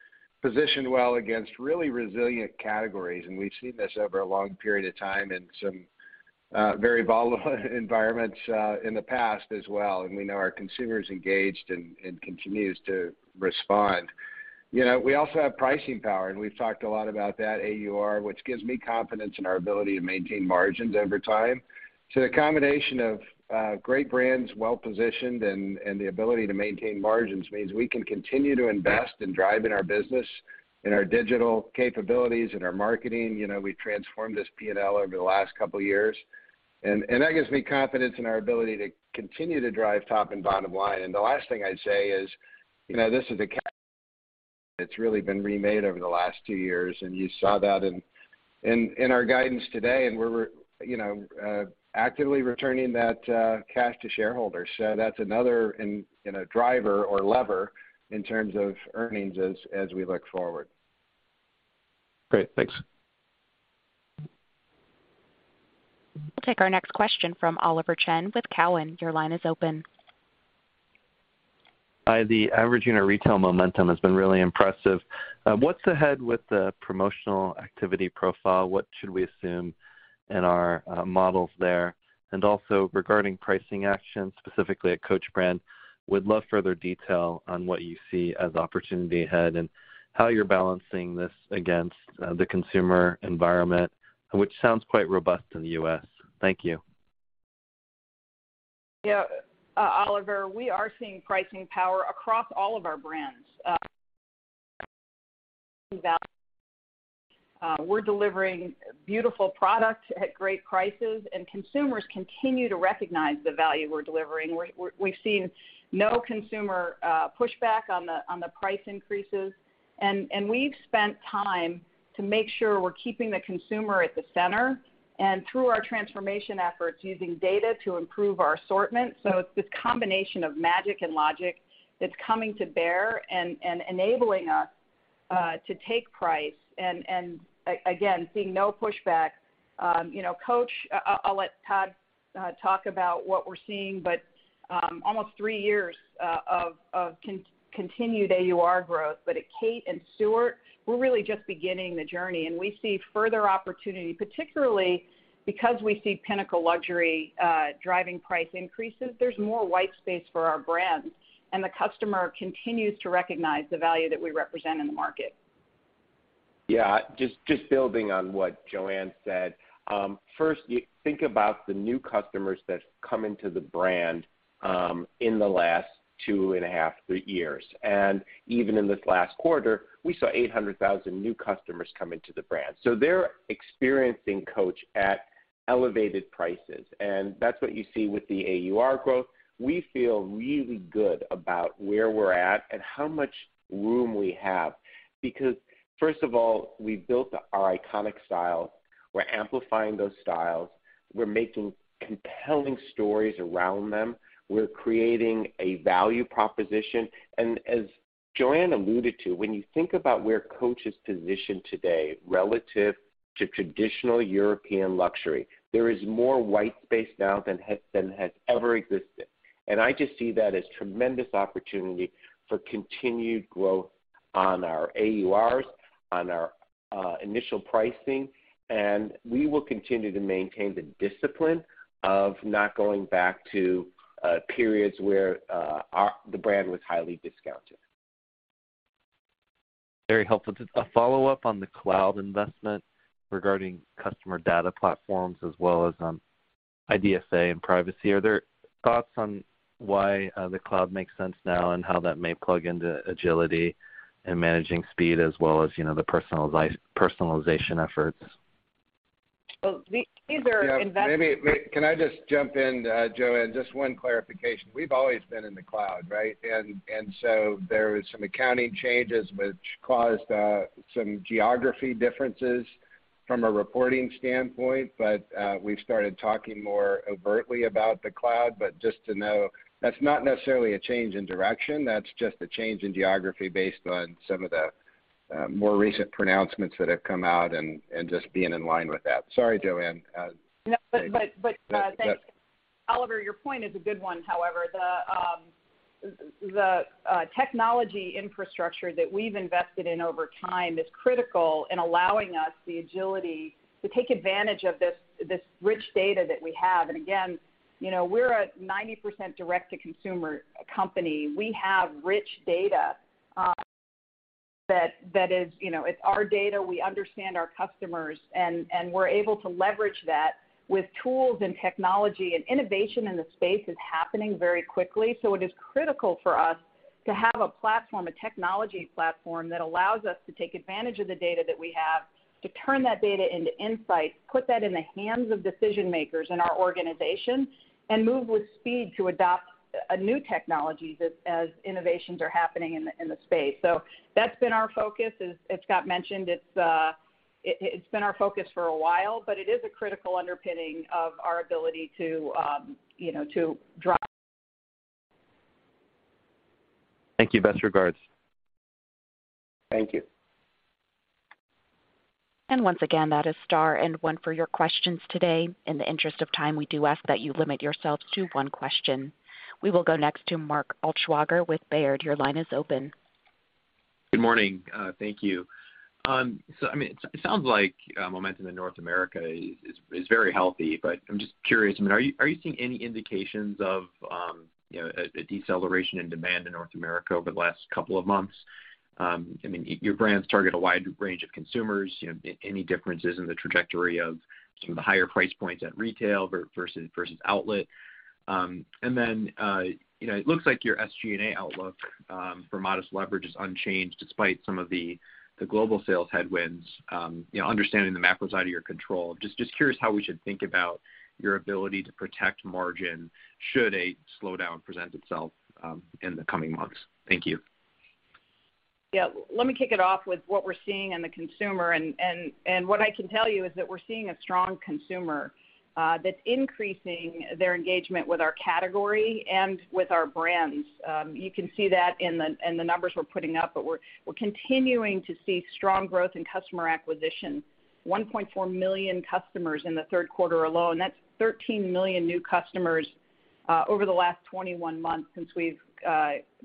D: positioned well against really resilient categories, and we've seen this over a long period of time in some very volatile environments in the past as well. We know our consumer's engaged and continues to respond. You know, we also have pricing power, and we've talked a lot about that AUR, which gives me confidence in our ability to maintain margins over time. The combination of great brands, well-positioned and the ability to maintain margins means we can continue to invest in driving our business in our digital capabilities, in our marketing. You know, we transformed this P&L over the last couple years. That gives me confidence in our ability to continue to drive top and bottom line. The last thing I'd say is, you know, it's really been remade over the last two years, and you saw that in our guidance today, and we're, you know, actively returning that cash to shareholders. That's another driver or lever in terms of earnings as we look forward.
F: Great. Thanks.
A: We'll take our next question from Oliver Chen with Cowen. Your line is open.
G: Hi, the average unit retail momentum has been really impressive. What's ahead with the promotional activity profile? What should we assume in our models there? Also regarding pricing actions, specifically at Coach brand, would love further detail on what you see as opportunity ahead and how you're balancing this against the consumer environment, which sounds quite robust in the US. Thank you.
C: Yeah, Oliver, we are seeing pricing power across all of our brands. We're delivering beautiful product at great prices, and consumers continue to recognize the value we're delivering. We've seen no consumer pushback on the price increases. We've spent time to make sure we're keeping the consumer at the center and through our transformation efforts, using data to improve our assortment. It's this combination of magic and logic that's coming to bear and enabling us to take price and again seeing no pushback. You know, Coach, I'll let Todd talk about what we're seeing, but almost three years of continued AUR growth. At Kate and Stuart, we're really just beginning the journey, and we see further opportunity, particularly because we see pinnacle luxury driving price increases. There's more white space for our brands, and the customer continues to recognize the value that we represent in the market.
H: Yeah, just building on what Joanne said. First, you think about the new customers that come into the brand in the last two and a half to three years. Even in this last quarter, we saw 800,000 new customers come into the brand. They're experiencing Coach at elevated prices. That's what you see with the AUR growth. We feel really good about where we're at and how much room we have. Because first of all, we built our iconic style. We're amplifying those styles. We're making compelling stories around them. We're creating a value proposition. As Joanne alluded to, when you think about where Coach is positioned today relative to traditional European luxury, there is more white space now than has ever existed. I just see that as tremendous opportunity for continued growth on our AURs, on our initial pricing. We will continue to maintain the discipline of not going back to periods where the brand was highly discounted.
G: Very helpful. Just a follow-up on the cloud investment regarding customer data platforms as well as on IDFA and privacy. Are there thoughts on why the cloud makes sense now and how that may plug into agility and managing speed as well as, you know, the personalization efforts?
C: Well, these are invest
H: Yeah. Maybe can I just jump in, Joanne? Just one clarification. We've always been in the cloud, right? There was some accounting changes which caused some geographic differences from a reporting standpoint, but we've started talking more overtly about the cloud. Just to know that's not necessarily a change in direction, that's just a change in geography based on some of the more recent pronouncements that have come out and just being in line with that. Sorry, Joanne.
C: No, but thank Oliver, your point is a good one, however. The technology infrastructure that we've invested in over time is critical in allowing us the agility to take advantage of this rich data that we have. Again, you know, we're a 90% direct to consumer company. We have rich data that is, you know, it's our data. We understand our customers and we're able to leverage that with tools and technology. Innovation in the space is happening very quickly. It is critical for us to have a platform, a technology platform that allows us to take advantage of the data that we have to turn that data into insights, put that in the hands of decision-makers in our organization, and move with speed to adopt a new technology as innovations are happening in the space. That's been our focus. As Scott mentioned, it's been our focus for a while, but it is a critical underpinning of our ability to, you know, to drive.
G: Thank you. Best regards.
H: Thank you.
A: Once again, that is star one for your questions today. In the interest of time, we do ask that you limit yourselves to one question. We will go next to Mark Altschwager with Baird. Your line is open.
I: Good morning. Thank you. I mean, it sounds like momentum in North America is very healthy. I'm just curious, I mean, are you seeing any indications of, you know, a deceleration in demand in North America over the last couple of months? I mean your brands target a wide range of consumers. You know, any differences in the trajectory of some of the higher price points at retail versus outlet. You know, it looks like your SG&A outlook for modest leverage is unchanged despite some of the global sales headwinds, you know, understanding the macro is out of your control. Just curious how we should think about your ability to protect margin should a slowdown present itself in the coming months. Thank you.
C: Yeah. Let me kick it off with what we're seeing in the consumer. What I can tell you is that we're seeing a strong consumer that's increasing their engagement with our category and with our brands. You can see that in the numbers we're putting up, but we're continuing to see strong growth in customer acquisition. 1.4 million customers in the Q3 alone. That's 13 million new customers over the last 21 months since we've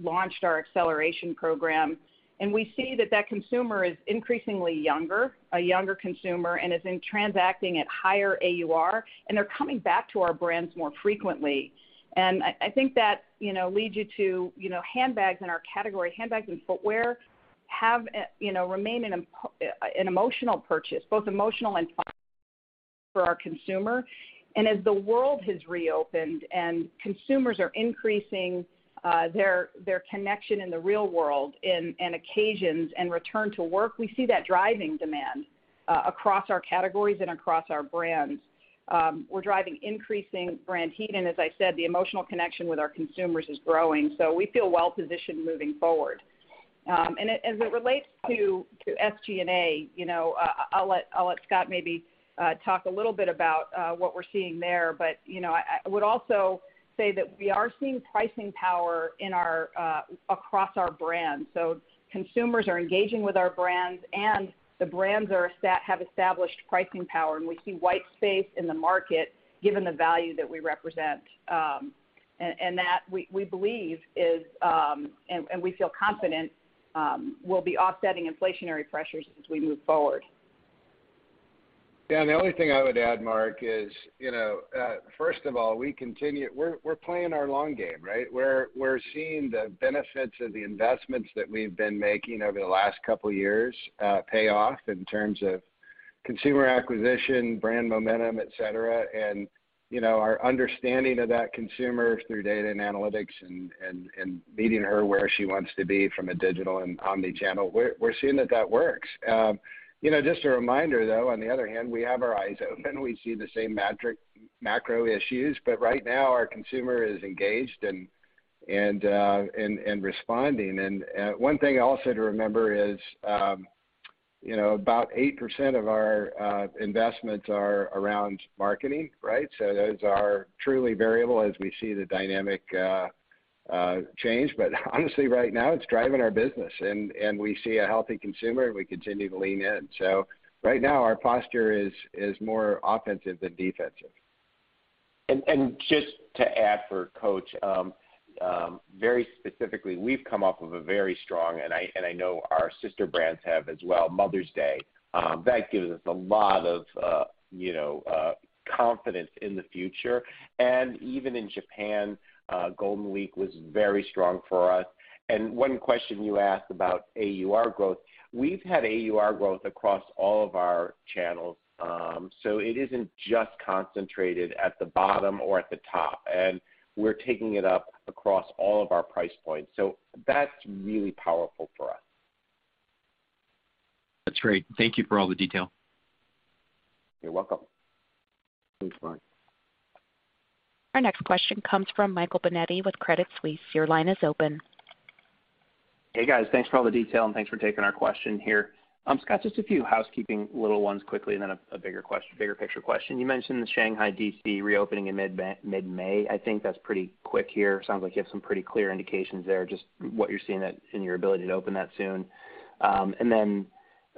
C: launched our Acceleration Program. We see that consumer is increasingly younger, a younger consumer, and is transacting at higher AUR, and they're coming back to our brands more frequently. I think that, you know, leads you to, you know, handbags in our category. Handbags and footwear have, you know, remain an emotional purchase, both emotional and fun for our consumer. As the world has reopened and consumers are increasing their connection in the real world and occasions and return to work, we see that driving demand across our categories and across our brands. We're driving increasing brand heat, and as I said, the emotional connection with our consumers is growing. We feel well positioned moving forward. As it relates to SG&A, you know, I'll let Scott maybe talk a little bit about what we're seeing there. You know, I would also say that we are seeing pricing power in our across our brands. Consumers are engaging with our brands, and the brands have established pricing power, and we see white space in the market given the value that we represent. That we believe is, and we feel confident, will be offsetting inflationary pressures as we move forward.
D: The only thing I would add, Mark, is, you know, first of all, we're playing our long game, right? We're seeing the benefits of the investments that we've been making over the last couple years pay off in terms of consumer acquisition, brand momentum, et cetera. You know, our understanding of that consumer through data and analytics and meeting her where she wants to be from a digital and omni-channel, we're seeing that that works. Just a reminder, though, on the other hand, we have our eyes open. We see the same macro issues, but right now our consumer is engaged and responding. One thing also to remember is, you know, about 8% of our investments are around marketing, right? Those are truly variable as we see the dynamic change. Honestly, right now, it's driving our business and we see a healthy consumer, and we continue to lean in. Right now, our posture is more offensive than defensive.
H: Just to add for Coach, very specifically, we've come up with a very strong Mother's Day, and I know our sister brands have as well. That gives us a lot of, you know, confidence in the future. Even in Japan, Golden Week was very strong for us. One question you asked about AUR growth. We've had AUR growth across all of our channels. It isn't just concentrated at the bottom or at the top, and we're taking it up across all of our price points. That's really powerful for us.
I: That's great. Thank you for all the detail.
H: You're welcome.
D: Thanks, Mark.
A: Our next question comes from Michael Binetti with Credit Suisse. Your line is open.
J: Hey, guys. Thanks for all the detail, and thanks for taking our question here. Scott, just a few housekeeping little ones quickly and then a bigger picture question. You mentioned the Shanghai DC reopening in mid-May. I think that's pretty quick here. Sounds like you have some pretty clear indications there, just what you're seeing that in your ability to open that soon.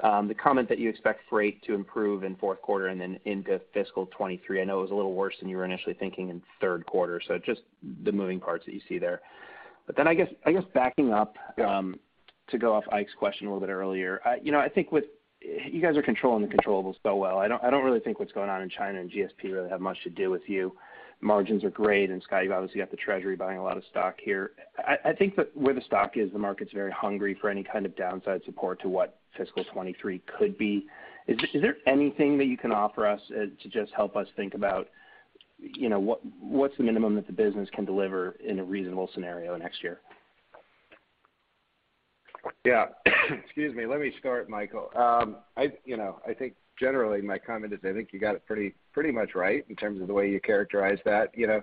J: The comment that you expect freight to improve in Q4 and then into fiscal 2023. I know it was a little worse than you were initially thinking in Q3, so just the moving parts that you see there. I guess backing up.
D: Yeah.
J: To go off Ike's question a little bit earlier. You know, I think with you guys are controlling the controllables so well. I don't really think what's going on in China and GSP really have much to do with you. Margins are great, and Scott, you've obviously got the treasury buying a lot of stock here. I think that where the stock is, the market's very hungry for any kind of downside support to what fiscal 2023 could be. Is there anything that you can offer us to just help us think about, you know, what the minimum that the business can deliver in a reasonable scenario next year?
D: Yeah. Excuse me. Let me start, Michael. I think generally my comment is I think you got it pretty much right in terms of the way you characterize that. You know,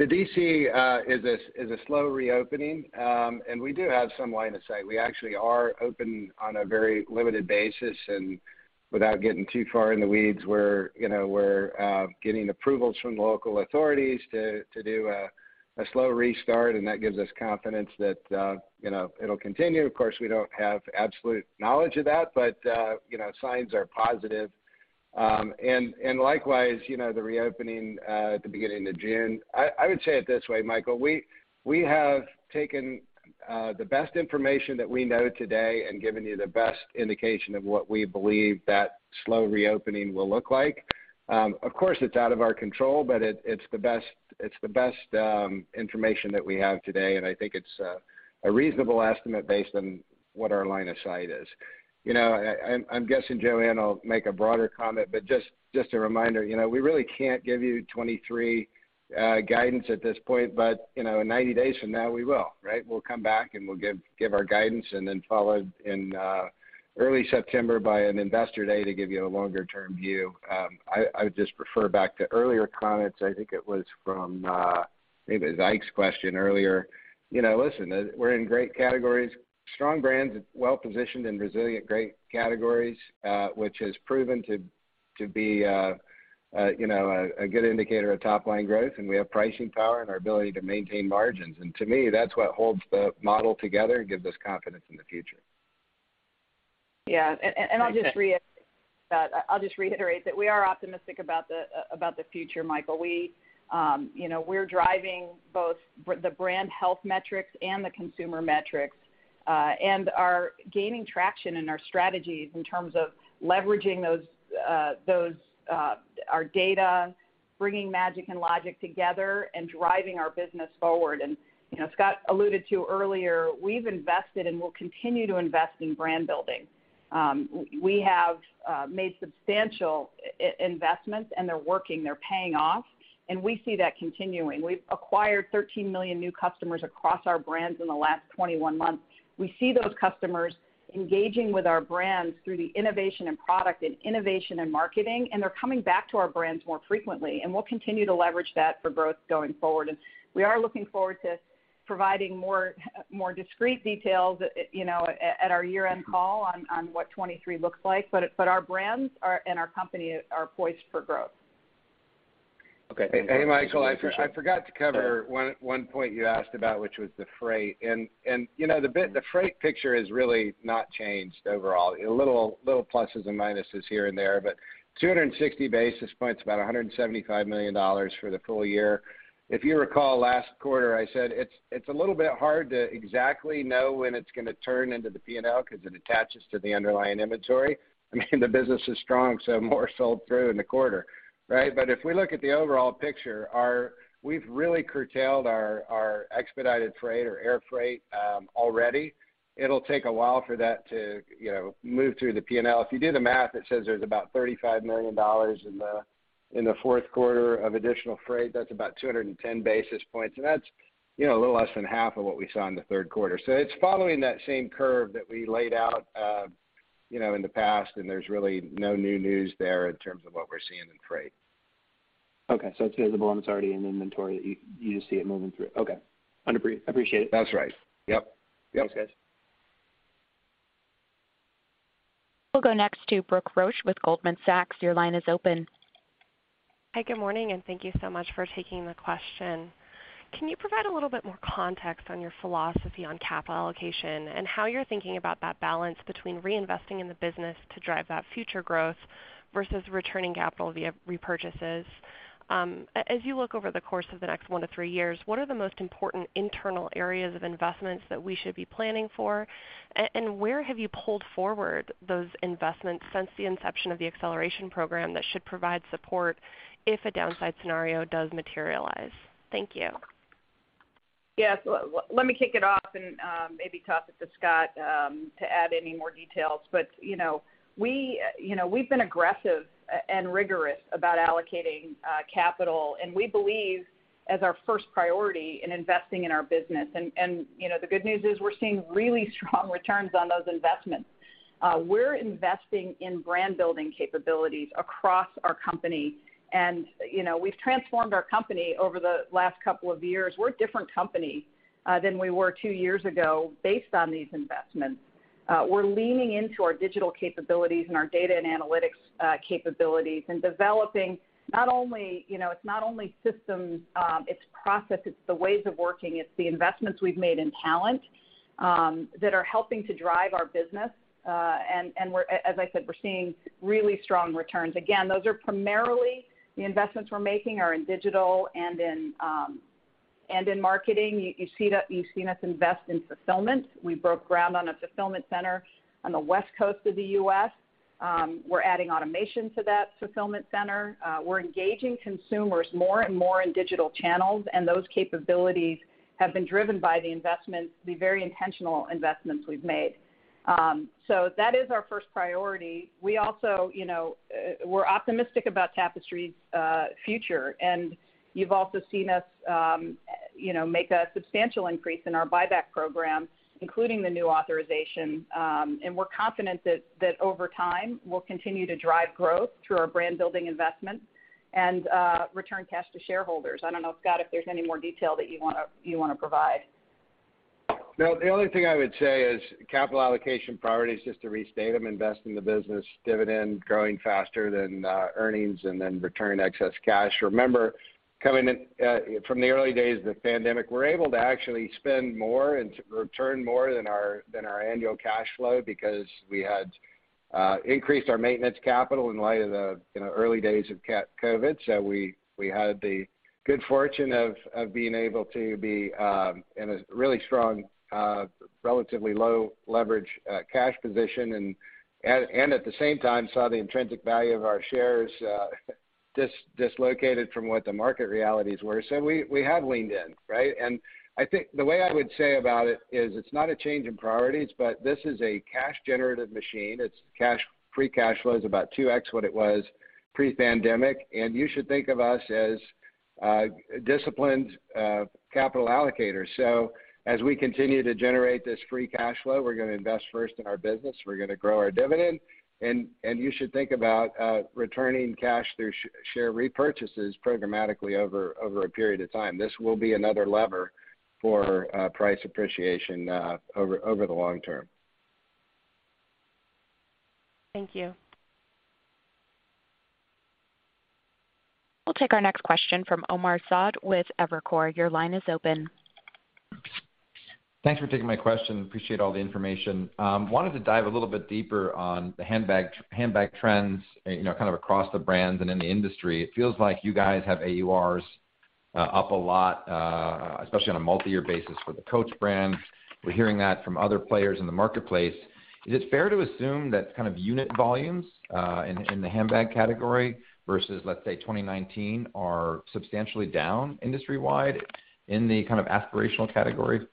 D: the D.C. is a slow reopening, and we do have some line of sight. We actually are open on a very limited basis. Without getting too far in the weeds, we're you know, getting approvals from local authorities to do a slow restart, and that gives us confidence that you know, it'll continue. Of course, we don't have absolute knowledge of that, but you know, signs are positive. Likewise, you know, the reopening at the beginning of June. I would say it this way, Michael, we have taken the best information that we know today and given you the best indication of what we believe that slow reopening will look like. Of course, it's out of our control, but it's the best information that we have today, and I think it's a reasonable estimate based on what our line of sight is. You know, I'm guessing Joanne will make a broader comment, but just a reminder, you know, we really can't give you 2023 guidance at this point, but, you know, in 90 days from now, we will, right? We'll come back, and we'll give our guidance and then followed in early September by an Investor Day to give you a longer-term view. I would just refer back to earlier comments. I think it was from, maybe Ike's question earlier. You know, listen, we're in great categories, strong brands that's well positioned and resilient, great categories, which has proven to be, you know, a good indicator of top line growth, and we have pricing power and our ability to maintain margins. To me, that's what holds the model together and gives us confidence in the future.
C: I'll just reiterate that we are optimistic about the future, Michael. We, you know, we're driving both the brand health metrics and the consumer metrics and are gaining traction in our strategies in terms of leveraging those our data, bringing magic and logic together and driving our business forward. You know, Scott alluded to earlier, we've invested and will continue to invest in brand building. We have made substantial investments, and they're working, they're paying off, and we see that continuing. We've acquired 13 million new customers across our brands in the last 21 months. We see those customers engaging with our brands through the innovation in product and innovation in marketing, and they're coming back to our brands more frequently, and we'll continue to leverage that for growth going forward. We are looking forward to providing more discrete details, you know, at our year-end call on what 2023 looks like. Our brands are, and our company are poised for growth.
D: Okay. Hey, Michael, I forgot to cover one point you asked about, which was the freight. You know, the freight picture has really not changed overall. A little pluses and minuses here and there, but 260 basis points, about $175 million for the full year. If you recall last quarter, I said, it's a little bit hard to exactly know when it's gonna turn into the P&L because it attaches to the underlying inventory. I mean, the business is strong, so more sold through in the quarter, right? If we look at the overall picture, we've really curtailed our expedited freight or air freight already. It'll take a while for that to, you know, move through the P&L. If you do the math, it says there's about $35 million in the Q4 of additional freight. That's about 210 basis points, and that's, you know, a little less than half of what we saw in the Q3. It's following that same curve that we laid out, you know, in the past, and there's really no new news there in terms of what we're seeing in freight. Okay. So it's visible, and it's already in inventory. You just see it moving through. Okay. Understood. Appreciate it. That's right. Yep. Yep. Thanks, guys.
A: We'll go next to Brooke Roach with Goldman Sachs. Your line is open.
K: Hi. Good morning, and thank you so much for taking the question. Can you provide a little bit more context on your philosophy on capital allocation and how you're thinking about that balance between reinvesting in the business to drive that future growth versus returning capital via repurchases? As you look over the course of the next one to three years, what are the most important internal areas of investments that we should be planning for? And where have you pulled forward those investments since the inception of the Acceleration Program that should provide support if a downside scenario does materialize? Thank you.
C: Yes. Let me kick it off and maybe toss it to Scott to add any more details. You know, we've been aggressive and rigorous about allocating capital, and we believe as our first priority in investing in our business. You know, the good news is we're seeing really strong returns on those investments. We're investing in brand building capabilities across our company. You know, we've transformed our company over the last couple of years. We're a different company than we were two years ago based on these investments. We're leaning into our digital capabilities and our data and analytics capabilities and developing not only, you know, it's not only systems, it's processes, it's the ways of working, it's the investments we've made in talent that are helping to drive our business. As I said, we're seeing really strong returns. Again, those are primarily the investments we're making are in digital and in marketing. You see that. You've seen us invest in fulfillment. We broke ground on a fulfillment center on the West Coast of the US. We're adding automation to that fulfillment center. We're engaging consumers more and more in digital channels, and those capabilities have been driven by the investments, the very intentional investments we've made. That is our first priority. We also, you know, we're optimistic about Tapestry's future. You've also seen us, you know, make a substantial increase in our buyback program, including the new authorization. We're confident that over time, we'll continue to drive growth through our brand building investments and return cash to shareholders. I don't know, Scott, if there's any more detail that you wanna provide.
D: No, the only thing I would say is capital allocation priorities, just to restate them, invest in the business, dividend growing faster than earnings, and then return excess cash. Remember from the early days of the pandemic, we're able to actually spend more and return more than our annual cash flow because we had increased our maintenance capital in light of the, you know, early days of COVID. So we had the good fortune of being able to be in a really strong, relatively low leverage, cash position and at the same time saw the intrinsic value of our shares, dislocated from what the market realities were. So we have leaned in, right? I think the way I would say about it is it's not a change in priorities, but this is a cash generative machine. Free cash flow is about 2x what it was pre-pandemic, and you should think of us as disciplined capital allocators. As we continue to generate this free cash flow, we're going to invest first in our business. We're going to grow our dividend. You should think about returning cash through share repurchases programmatically over a period of time. This will be another lever for price appreciation over the long term.
C: Thank you.
A: We'll take our next question from Omar Saad with Evercore. Your line is open.
L: Thanks for taking my question. Appreciate all the information. Wanted to dive a little bit deeper on the handbag trends, you know, kind of across the brands and in the industry. It feels like you guys have AURs up a lot, especially on a multi-year basis for the Coach brand. We're hearing that from other players in the marketplace. Is it fair to assume that kind of unit volumes in the handbag category versus, let's say, 2019 are substantially down industry-wide in the kind of aspirational category?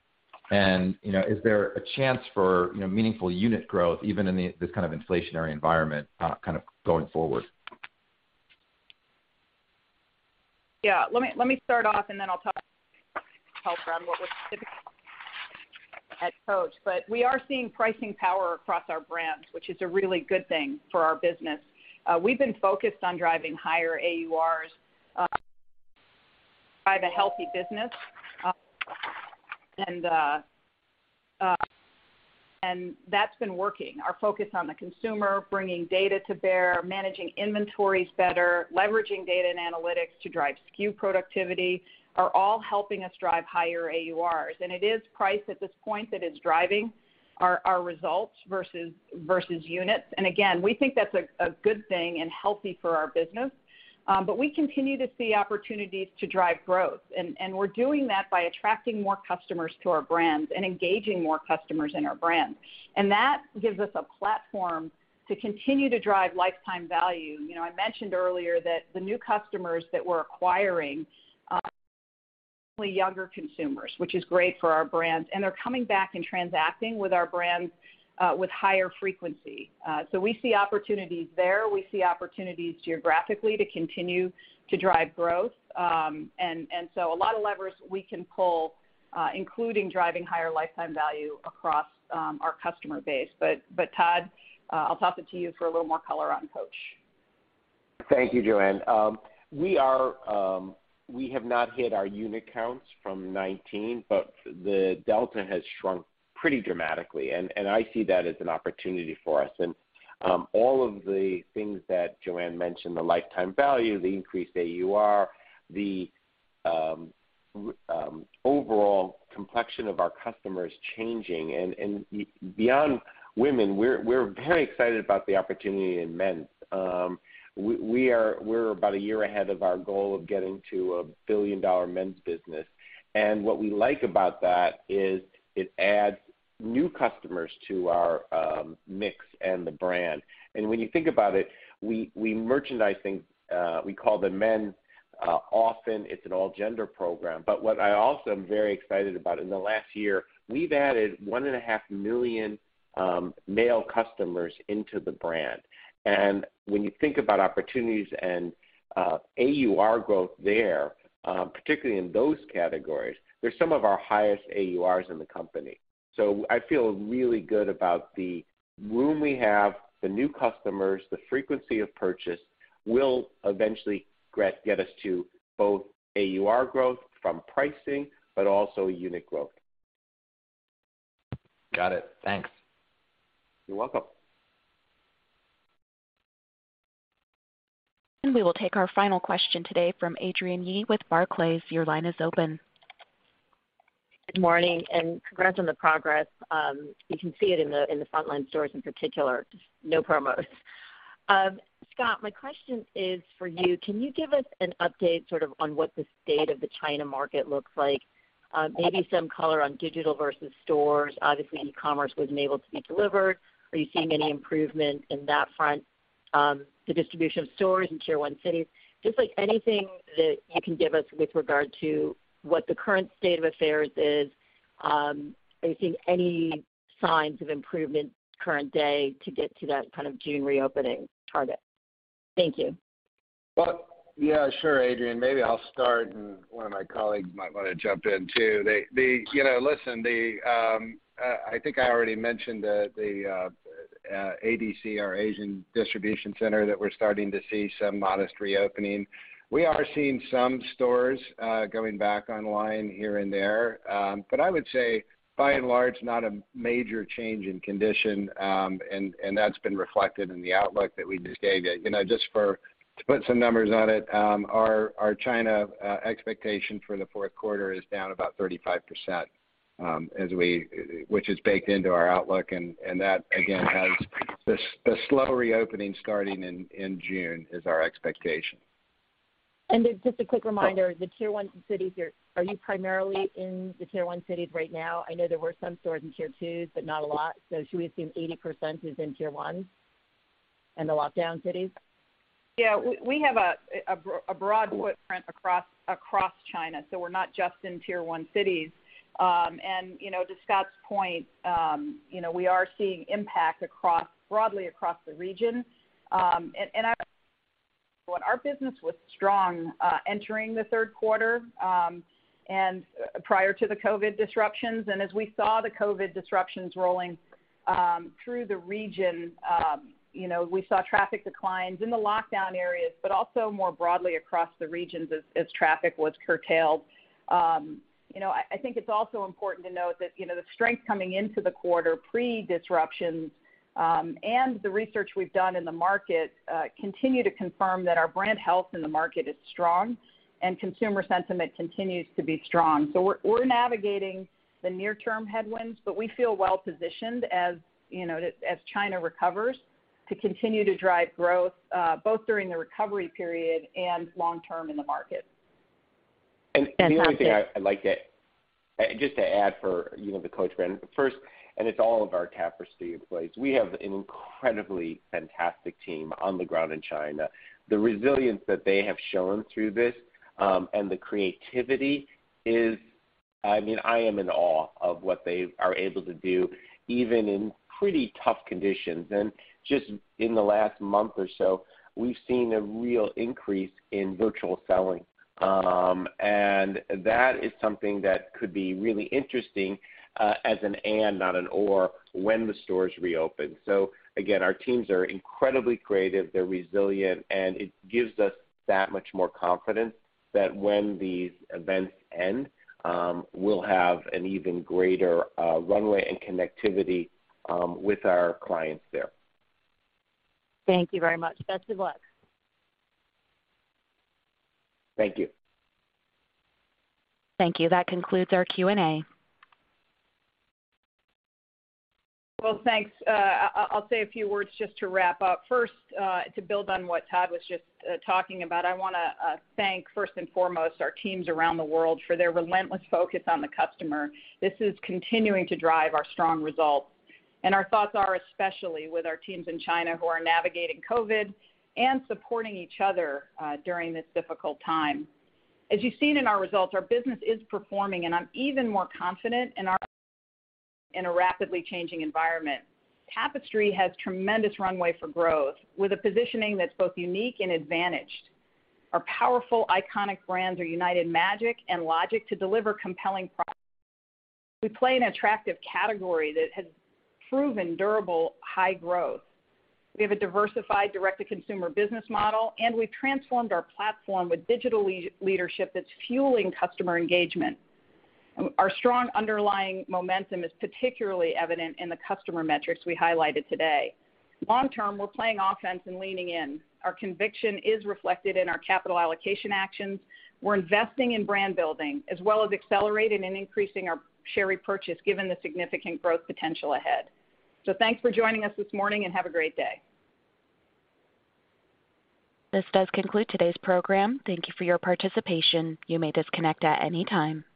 L: You know, is there a chance for, you know, meaningful unit growth even in this kind of inflationary environment, kind of going forward?
C: Yeah. Let me start off, and then I'll talk a little about what we're doing at Coach. We are seeing pricing power across our brands, which is a really good thing for our business. We've been focused on driving higher AURs by building a healthy business. That's been working. Our focus on the consumer, bringing data to bear, managing inventories better, leveraging data and analytics to drive SKU productivity are all helping us drive higher AURs. It is price at this point that is driving our results versus units. Again, we think that's a good thing and healthy for our business. We continue to see opportunities to drive growth, and we're doing that by attracting more customers to our brands and engaging more customers in our brands. That gives us a platform to continue to drive lifetime value. You know, I mentioned earlier that the new customers that we're acquiring are younger consumers, which is great for our brands, and they're coming back and transacting with our brands with higher frequency. So we see opportunities there. We see opportunities geographically to continue to drive growth. So a lot of levers we can pull, including driving higher lifetime value across our customer base. But Todd, I'll toss it to you for a little more color on Coach.
H: Thank you, Joanne. We have not hit our unit counts from 19, but the delta has shrunk pretty dramatically, and I see that as an opportunity for us. All of the things that Joanne mentioned, the lifetime value, the increased AUR, the overall complexion of our customers changing. Beyond women, we're very excited about the opportunity in men's. We're about a year ahead of our goal of getting to a $1 billion men's business. What we like about that is it adds new customers to our mix and the brand. When you think about it, we merchandise things, we call them men. Often it's an all-gender program. What I also am very excited about, in the last year, we've added 1.5 million male customers into the brand. When you think about opportunities and AUR growth there, particularly in those categories, they're some of our highest AURs in the company. I feel really good about the room we have, the new customers, the frequency of purchase will eventually get us to both AUR growth from pricing, but also unit growth.
L: Got it. Thanks.
H: You're welcome.
A: We will take our final question today from Adrienne Yih with Barclays. Your line is open.
M: Good morning, and congrats on the progress. You can see it in the frontline stores in particular. No promos. Scott, my question is for you. Can you give us an update sort of on what the state of the China market looks like? Maybe some color on digital versus stores. Obviously, e-commerce wasn't able to be delivered. Are you seeing any improvement in that front? The distribution of stores in Tier One cities. Just like anything that you can give us with regard to what the current state of affairs is. Are you seeing any signs of improvement current day to get to that kind of June reopening target? Thank you.
D: Well, yeah, sure, Adrienne. Maybe I'll start, and one of my colleagues might want to jump in too. You know, listen, I think I already mentioned the ADC, our Asian Distribution Center, that we're starting to see some modest reopening. We are seeing some stores going back online here and there. I would say by and large, not a major change in condition, and that's been reflected in the outlook that we just gave you. You know, to put some numbers on it, our China expectation for the Q4 is down about 35%, which is baked into our outlook. That again has the slow reopening starting in June is our expectation.
M: Just a quick reminder, the Tier 1 cities, are you primarily in the Tier 1 cities right now? I know there were some stores in Tier 2, but not a lot. Should we assume 80% is in Tier 1 in the lockdown cities?
C: Yeah. We have a broad footprint across China, so we're not just inUS Tier 1 cities. You know, to Scott's point, you know, we are seeing impact broadly across the region. Our business was strong entering the Q3 and prior to the COVID disruptions. As we saw the COVID disruptions rolling through the region, you know, we saw traffic declines in the lockdown areas, but also more broadly across the regions as traffic was curtailed. You know, I think it's also important to note that, you know, the strength coming into the quarter pre-disruption and the research we've done in the market continue to confirm that our brand health in the market is strong and consumer sentiment continues to be strong. We're navigating the near-term headwinds, but we feel well-positioned as you know, as China recovers to continue to drive growth both during the recovery period and long-term in the market.
H: The only thing I'd like to add for, you know, the Coach brand. First, it's all of our Tapestry employees, we have an incredibly fantastic team on the ground in China. The resilience that they have shown through this, and the creativity is. I mean, I am in awe of what they are able to do, even in pretty tough conditions. Just in the last month or so, we've seen a real increase in virtual selling. That is something that could be really interesting, as an and, not an or, when the stores reopen. Again, our teams are incredibly creative, they're resilient, and it gives us that much more confidence that when these events end, we'll have an even greater, runway and connectivity, with our clients there.
M: Thank you very much. Best of luck.
H: Thank you.
A: Thank you. That concludes our Q&A.
C: Well, thanks. I'll say a few words just to wrap up. First, to build on what Todd was just talking about, I wanna thank first and foremost our teams around the world for their relentless focus on the customer. This is continuing to drive our strong results. Our thoughts are especially with our teams in China who are navigating COVID and supporting each other during this difficult time. As you've seen in our results, our business is performing, and I'm even more confident in a rapidly changing environment. Tapestry has tremendous runway for growth with a positioning that's both unique and advantaged. Our powerful, iconic brands are united magic and logic to deliver compelling products. We play an attractive category that has proven durable high growth. We have a diversified direct-to-consumer business model, and we've transformed our platform with digital leadership that's fueling customer engagement. Our strong underlying momentum is particularly evident in the customer metrics we highlighted today. Long term, we're playing offense and leaning in. Our conviction is reflected in our capital allocation actions. We're investing in brand building as well as accelerating and increasing our share repurchase given the significant growth potential ahead. Thanks for joining us this morning and have a great day.
A: This does conclude today's program. Thank you for your participation. You may disconnect at any time.